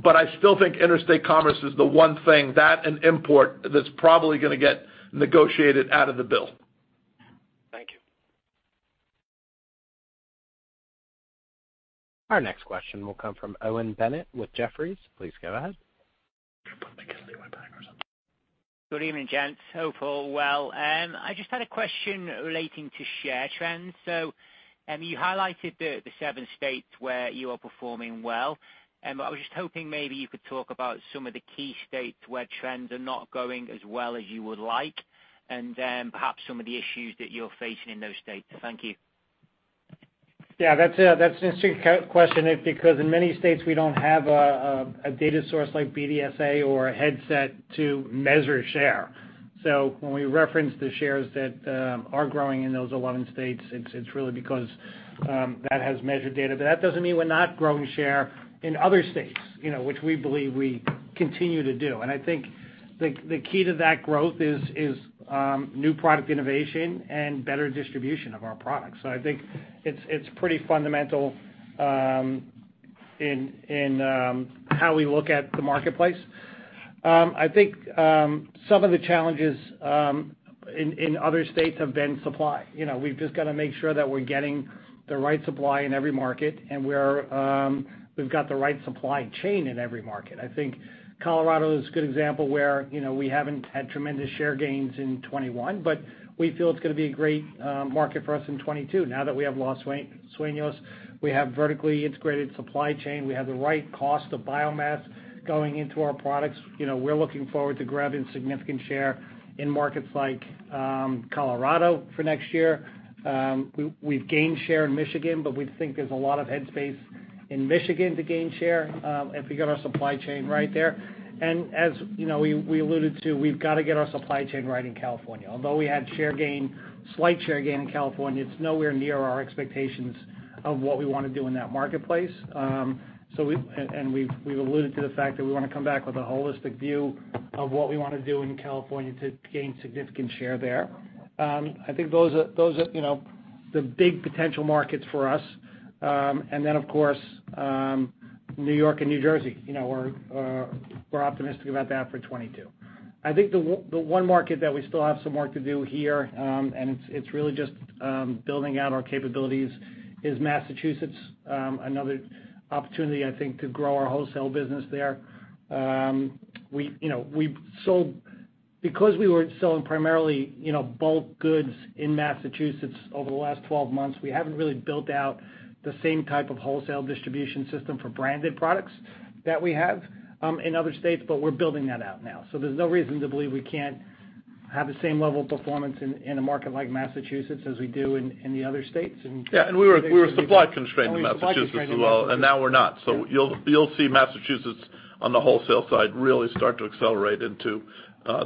I still think interstate commerce is the one thing, that and import, that's probably gonna get negotiated out of the bill. Thank you. Our next question will come from Owen Bennett with Jefferies. Please go ahead. Good evening, gents. Hope all well. I just had a question relating to share trends. You highlighted the seven states where you are performing well. I was just hoping maybe you could talk about some of the key states where trends are not going as well as you would like, and then perhaps some of the issues that you're facing in those states. Thank you. Yeah, that's an interesting question because in many states, we don't have a data source like BDSA or Headset to measure share. When we reference the shares that are growing in those 11 states, it's really because that has measured data. That doesn't mean we're not growing share in other states, you know, which we believe we continue to do. I think the key to that growth is new product innovation and better distribution of our products. I think it's pretty fundamental in how we look at the marketplace. I think some of the challenges in other states have been supply. You know, we've just gotta make sure that we're getting the right supply in every market and we've got the right supply chain in every market. I think Colorado is a good example where, you know, we haven't had tremendous share gains in 2021, but we feel it's gonna be a great market for us in 2022. Now that we have Los Sueños, we have vertically integrated supply chain, we have the right cost of biomass going into our products. You know, we're looking forward to grabbing significant share in markets like Colorado for next year. We've gained share in Michigan, but we think there's a lot of head space in Michigan to gain share, if we get our supply chain right there. As you know, we alluded to, we've gotta get our supply chain right in California. Although we had share gain, slight share gain in California, it's nowhere near our expectations of what we wanna do in that marketplace. We've alluded to the fact that we wanna come back with a holistic view of what we wanna do in California to gain significant share there. I think those are, you know, the big potential markets for us. New York and New Jersey, you know, we're optimistic about that for 2022. I think the one market that we still have some work to do here, and it's really just building out our capabilities is Massachusetts. Another opportunity I think to grow our wholesale business there. Because we were selling primarily, you know, bulk goods in Massachusetts over the last 12 months, we haven't really built out the same type of wholesale distribution system for branded products that we have in other states, but we're building that out now. So there's no reason to believe we can't have the same level of performance in a market like Massachusetts as we do in the other states. Yeah. We were supply constrained in Massachusetts as well, and now we're not. You'll see Massachusetts on the wholesale side really start to accelerate into the H2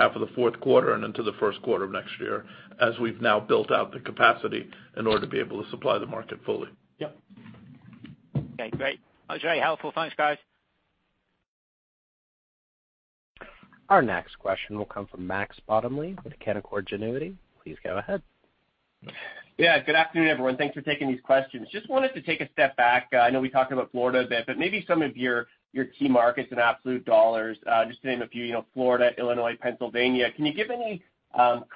of the Q4 and into the Q1 of next year, as we've now built out the capacity in order to be able to supply the market fully. Yep. Okay, great. That was very helpful. Thanks, guys. Our next question will come from Matt Bottomley with Canaccord Genuity. Please go ahead. Yeah, good afternoon, everyone. Thanks for taking these questions. Just wanted to take a step back. I know we talked about Florida a bit, but maybe some of your key markets in absolute dollars, just to name a few, you know, Florida, Illinois, Pennsylvania. Can you give any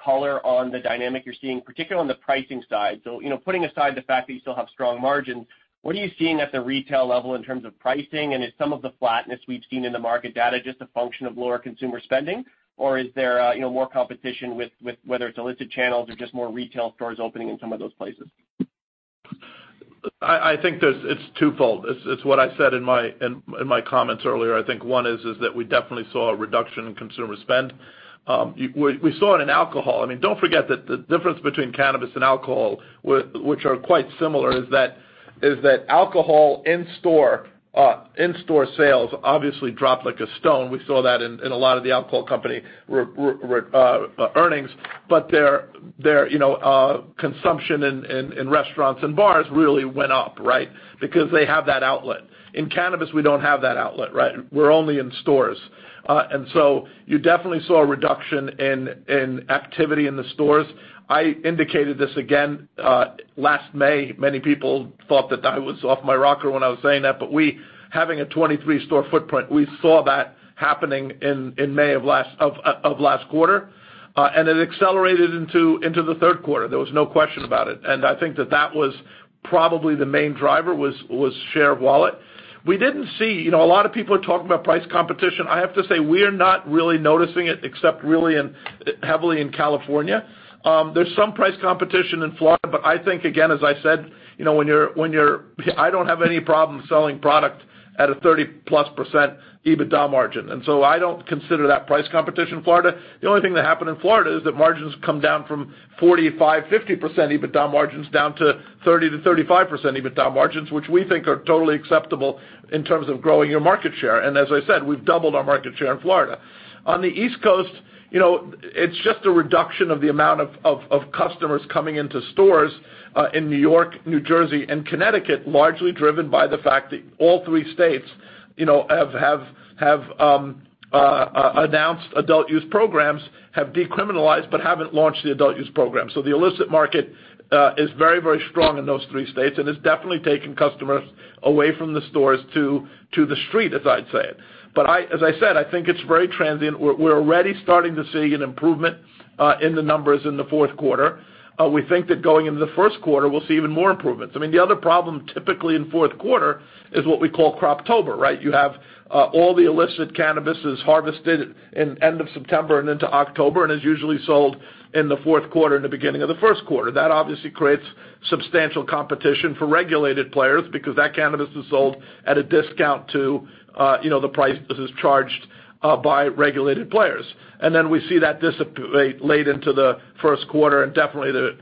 color on the dynamic you're seeing, particularly on the pricing side? You know, putting aside the fact that you still have strong margins, what are you seeing at the retail level in terms of pricing? And is some of the flatness we've seen in the market data, just a function of lower consumer spending, or is there, you know, more competition with whether it's illicit channels or just more retail stores opening in some of those places? I think it's twofold. It's what I said in my comments earlier. I think one is that we definitely saw a reduction in consumer spend. We saw it in alcohol. I mean, don't forget that the difference between cannabis and alcohol which are quite similar is that alcohol in-store sales obviously dropped like a stone. We saw that in a lot of the alcohol companies' earnings, but their consumption in restaurants and bars really went up, right? Because they have that outlet. In cannabis, we don't have that outlet, right? We're only in stores. You definitely saw a reduction in activity in the stores. I indicated this again last May. Many people thought that I was off my rocker when I was saying that, but we, having a 23 store footprint, we saw that happening in May of last quarter. It accelerated into the Q3. There was no question about it. I think that was probably the main driver, share of wallet. You know, a lot of people are talking about price competition. I have to say, we're not really noticing it except really heavily in California. There's some price competition in Florida, but I think, again, as I said, you know, I don't have any problem selling product at a 30%+ EBITDA margin. I don't consider that price competition in Florida. The only thing that happened in Florida is that margins come down from 45% to 50% EBITDA margins down to 30% to 35% EBITDA margins, which we think are totally acceptable in terms of growing your market share. As I said, we've doubled our market share in Florida. On the East Coast, you know, it's just a reduction of the amount of customers coming into stores in New York, New Jersey, and Connecticut, largely driven by the fact that all three states, you know, have announced adult use programs, have decriminalized, but haven't launched the adult use program. The illicit market is very, very strong in those three states, and it's definitely taken customers away from the stores to the street, as I'd say it. I, as I said, I think it's very transient. We're already starting to see an improvement in the numbers in the Q4. We think that going into the Q1, we'll see even more improvements. I mean, the other problem typically in Q4 is what we call Croptober, right? You have all the illicit cannabis is harvested at the end of September and into October, and is usually sold in the Q4 and the beginning of the Q1. That obviously creates substantial competition for regulated players because that cannabis is sold at a discount to, you know, the price that is charged by regulated players. Then we see that dissipate late into the Q1, and definitely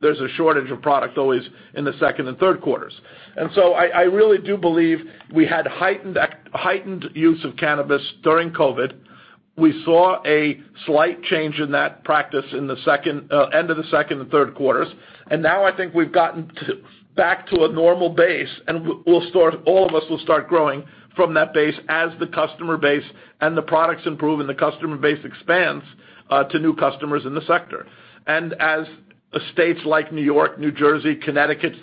there's a shortage of product always in the Q2 and Q3. I really do believe we had heightened use of cannabis during COVID. We saw a slight change in that practice in the second end of the Q2 and Q3. Now I think we've gotten back to a normal base, and we'll start, all of us will start growing from that base as the customer base and the products improve and the customer base expands to new customers in the sector. As states like New York, New Jersey, Connecticut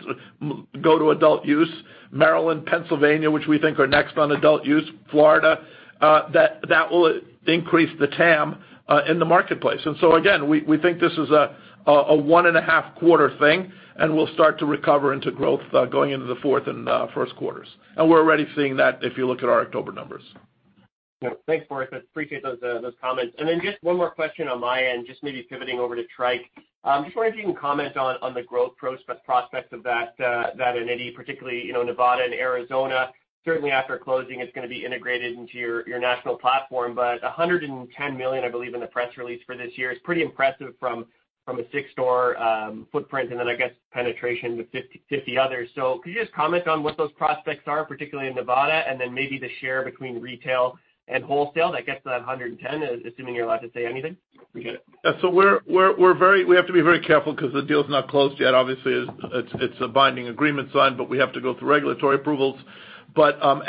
go to adult use, Maryland, Pennsylvania, which we think are next on adult use, Florida, that will increase the TAM in the marketplace. Again, we think this is a one and a half quarter thing, and we'll start to recover into growth going into the Q4 and Q1. We're already seeing that if you look at our October numbers. Yeah. Thanks, Boris. I appreciate those comments. Just one more question on my end, just maybe pivoting over to Tryke. Just wondering if you can comment on the growth prospects of that entity, particularly, you know, Nevada and Arizona. Certainly after closing, it's gonna be integrated into your national platform, but $110 million, I believe in the press release for this year is pretty impressive from a six-store footprint, and then I guess penetration with 50 others. Could you just comment on what those prospects are, particularly in Nevada, and then maybe the share between retail and wholesale that gets to that $110, assuming you're allowed to say anything? Appreciate it. Yeah. We're very careful because the deal's not closed yet. Obviously, it's a binding agreement signed, but we have to go through regulatory approvals.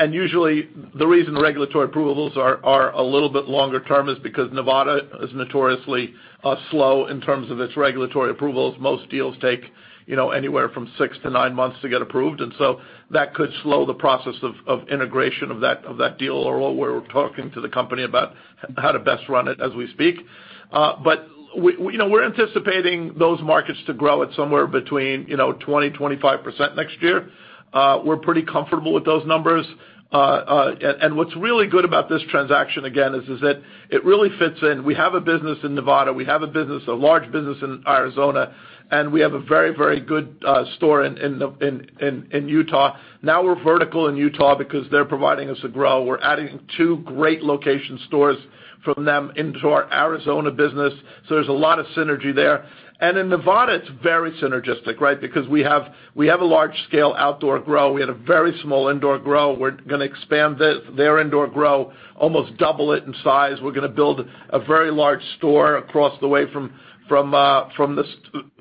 Usually the reason regulatory approvals are a little bit longer term is because Nevada is notoriously slow in terms of its regulatory approvals. Most deals take, you know, anywhere from six to nine months to get approved, and that could slow the process of integration of that deal, or we're talking to the company about how to best run it as we speak. We're anticipating those markets to grow at somewhere between, you know, 20% to 25% next year. We're pretty comfortable with those numbers. What's really good about this transaction again is that it really fits in. We have a business in Nevada, we have a large business in Arizona, and we have a very good store in Utah. Now we're vertical in Utah because they're providing us a grow. We're adding two great location stores from them into our Arizona business, so there's a lot of synergy there. In Nevada, it's very synergistic, right? Because we have a large scale outdoor grow. We had a very small indoor grow. We're gonna expand their indoor grow, almost double it in size. We're gonna build a very large store across the way from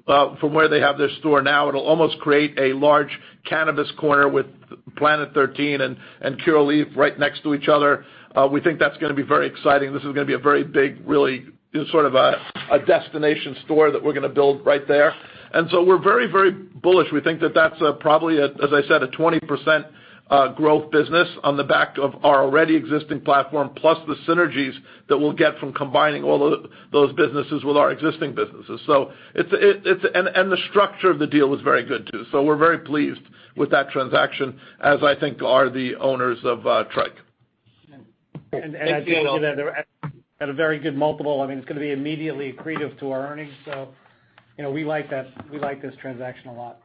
where they have their store now. It'll almost create a large cannabis corner with Planet 13 and Curaleaf right next to each other. We think that's gonna be very exciting. This is gonna be a very big, really sort of a destination store that we're gonna build right there. We're very, very bullish. We think that that's probably, as I said, a 20% growth business on the back of our already existing platform, plus the synergies that we'll get from combining all of those businesses with our existing businesses. The structure of the deal is very good too. We're very pleased with that transaction, as I think are the owners of Tryke. Sure. Thank you. I think that they're at a very good multiple. I mean, it's gonna be immediately accretive to our earnings. You know, we like that, we like this transaction a lot.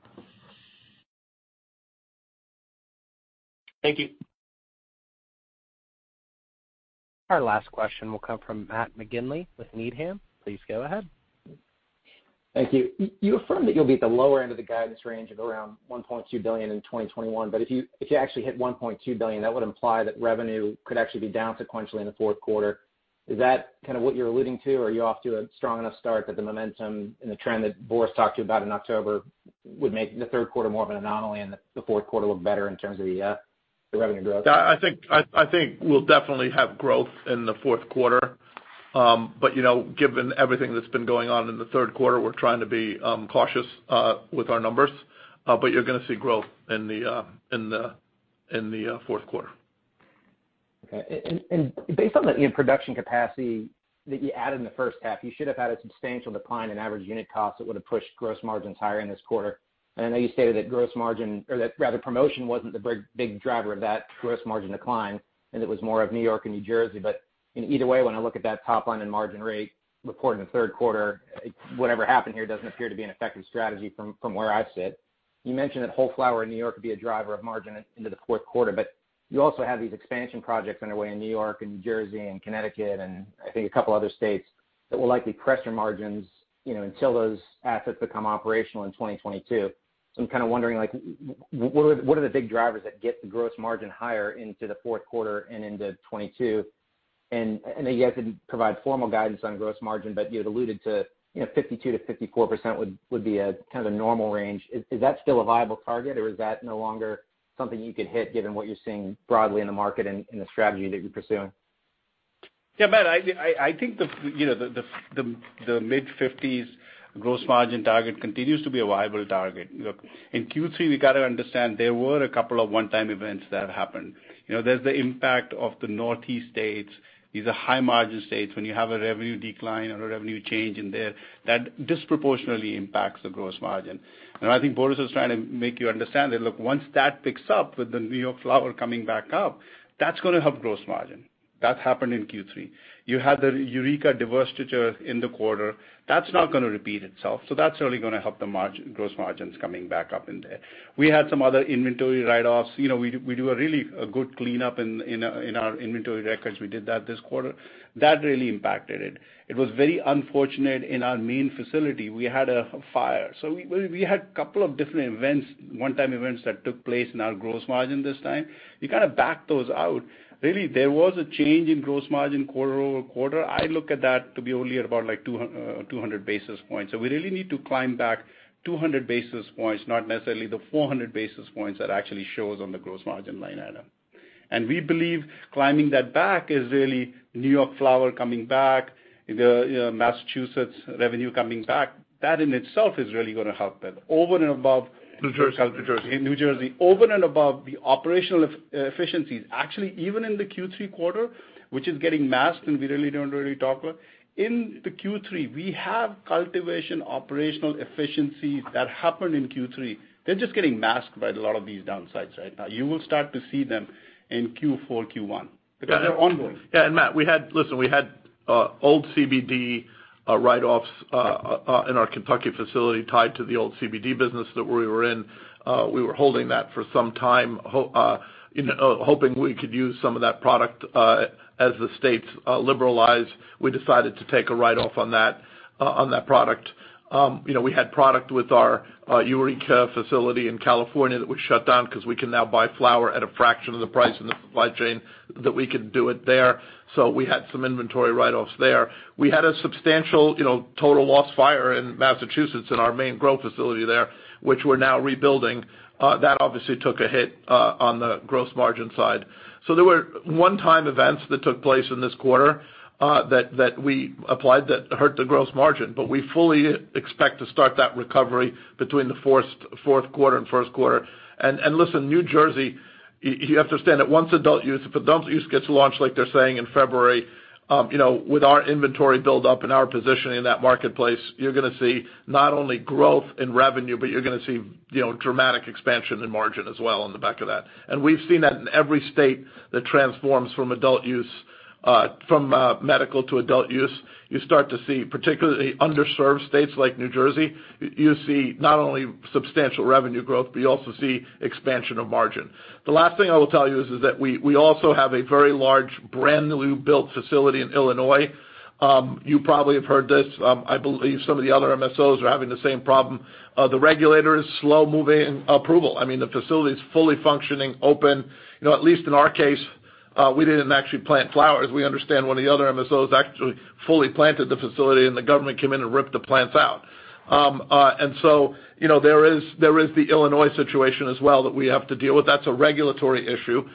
Thank you. Our last question will come from Matt McGinley with Needham. Please go ahead. Thank you. You affirmed that you'll be at the lower end of the guidance range of around $1.2 billion in 2021, but if you actually hit $1.2 billion, that would imply that revenue could actually be down sequentially in the Q4. Is that kind of what you're alluding to, or are you off to a strong enough start that the momentum and the trend that Boris talked to you about in October would make the Q3 more of an anomaly and the Q4 look better in terms of the revenue growth? I think we'll definitely have growth in the Q4. You know, given everything that's been going on in the Q3, we're trying to be cautious with our numbers, but you're gonna see growth in the Q4. Okay. Based on the production capacity that you added in the H1, you should have had a substantial decline in average unit costs that would've pushed gross margins higher in this quarter. I know you stated that gross margin, or rather, promotion wasn't the big driver of that gross margin decline and it was more of New York and New Jersey. Either way, when I look at that top line and margin rate reported in the Q3, it, whatever happened here doesn't appear to be an effective strategy from where I sit. You mentioned that whole flower in New York could be a driver of margin into the Q4, but you also have these expansion projects underway in New York and New Jersey and Connecticut and I think a couple other states that will likely press your margins, you know, until those assets become operational in 2022. I'm kind of wondering like what are the big drivers that get the gross margin higher into the Q4 and into 2022? You guys didn't provide formal guidance on gross margin, but you had alluded to, you know, 52% to 54% would be a kind of normal range. Is that still a viable target or is that no longer something you could hit given what you're seeing broadly in the market and the strategy that you're pursuing? Yeah, Matt, I think you know the mid 50s% gross margin target continues to be a viable target. Look, in Q3, we gotta understand there were a couple of one-time events that happened. You know, there's the impact of the Northeast states. These are high margin states. When you have a revenue decline or a revenue change in there, that disproportionately impacts the gross margin. I think Boris is trying to make you understand that, look, once that picks up with the New York flower coming back up, that's gonna help gross margin. That happened in Q3. You had the Eureka divestiture in the quarter. That's not gonna repeat itself, so that's really gonna help the gross margins coming back up in there. We had some other inventory write-offs. You know, we do a really good cleanup in our inventory records. We did that this quarter. That really impacted it. It was very unfortunate in our main facility, we had a fire. We had couple of different events, one time events that took place in our gross margin this time. You kind of back those out. Really, there was a change in gross margin quarter-over-quarter. I look at that to be only about like 200 basis points. We really need to climb back 200 basis points, not necessarily the 400 basis points that actually shows on the gross margin line item. We believe climbing that back is really New York flower coming back, the, you know, Massachusetts revenue coming back. That in itself is really gonna help it over and above. New Jersey New Jersey. Over and above the operational efficiencies. Actually, even in the Q3 quarter, which is getting masked and we really don't talk about, in the Q3, we have cultivation operational efficiencies that happened in Q3. They're just getting masked by a lot of these downsides right now. You will start to see them in Q4, Q1 because they're ongoing. Matt, we had old CBD write-offs in our Kentucky facility tied to the old CBD business that we were in. We were holding that for some time, you know, hoping we could use some of that product. As the states liberalize, we decided to take a write-off on that product. You know, we had product with our Eureka facility in California that was shut down because we can now buy flower at a fraction of the price in the supply chain that we could do it there. We had some inventory write-offs there. We had a substantial, you know, total loss fire in Massachusetts in our main grow facility there, which we're now rebuilding. That obviously took a hit on the gross margin side. There were one-time events that took place in this quarter that we applied that hurt the gross margin, but we fully expect to start that recovery between the Q4 and Q1. Listen, New Jersey, you have to understand that once adult use, if adult use gets launched like they're saying in February, you know, with our inventory build up and our positioning in that marketplace, you're gonna see not only growth in revenue, but you're gonna see, you know, dramatic expansion in margin as well on the back of that. We've seen that in every state that transforms from medical to adult use. You start to see, particularly underserved states like New Jersey, you see not only substantial revenue growth, but you also see expansion of margin. The last thing I will tell you is that we also have a very large brand new built facility in Illinois. You probably have heard this. I believe some of the other MSOs are having the same problem of the regulators slow-moving approval. I mean, the facility is fully functioning, open. You know, at least in our case, we didn't actually plant flowers. We understand one of the other MSOs actually fully planted the facility and the government came in and ripped the plants out. You know, there is the Illinois situation as well that we have to deal with. That's a regulatory issue.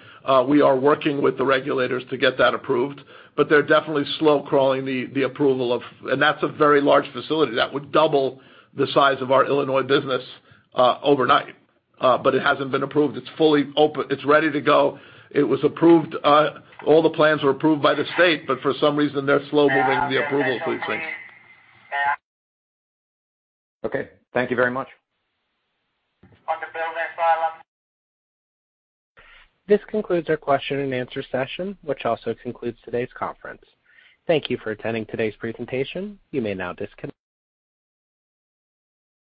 We are working with the regulators to get that approved, but they're definitely slow-crawling the approval of that very large facility. That would double the size of our Illinois business, overnight, but it hasn't been approved. It's fully open. It's ready to go. It was approved. All the plans were approved by the state, but for some reason, they're slow moving the approval piece. Okay. Thank you very much. This concludes our question and answer session, which also concludes today's conference. Thank you for attending today's presentation. You may now disconnect.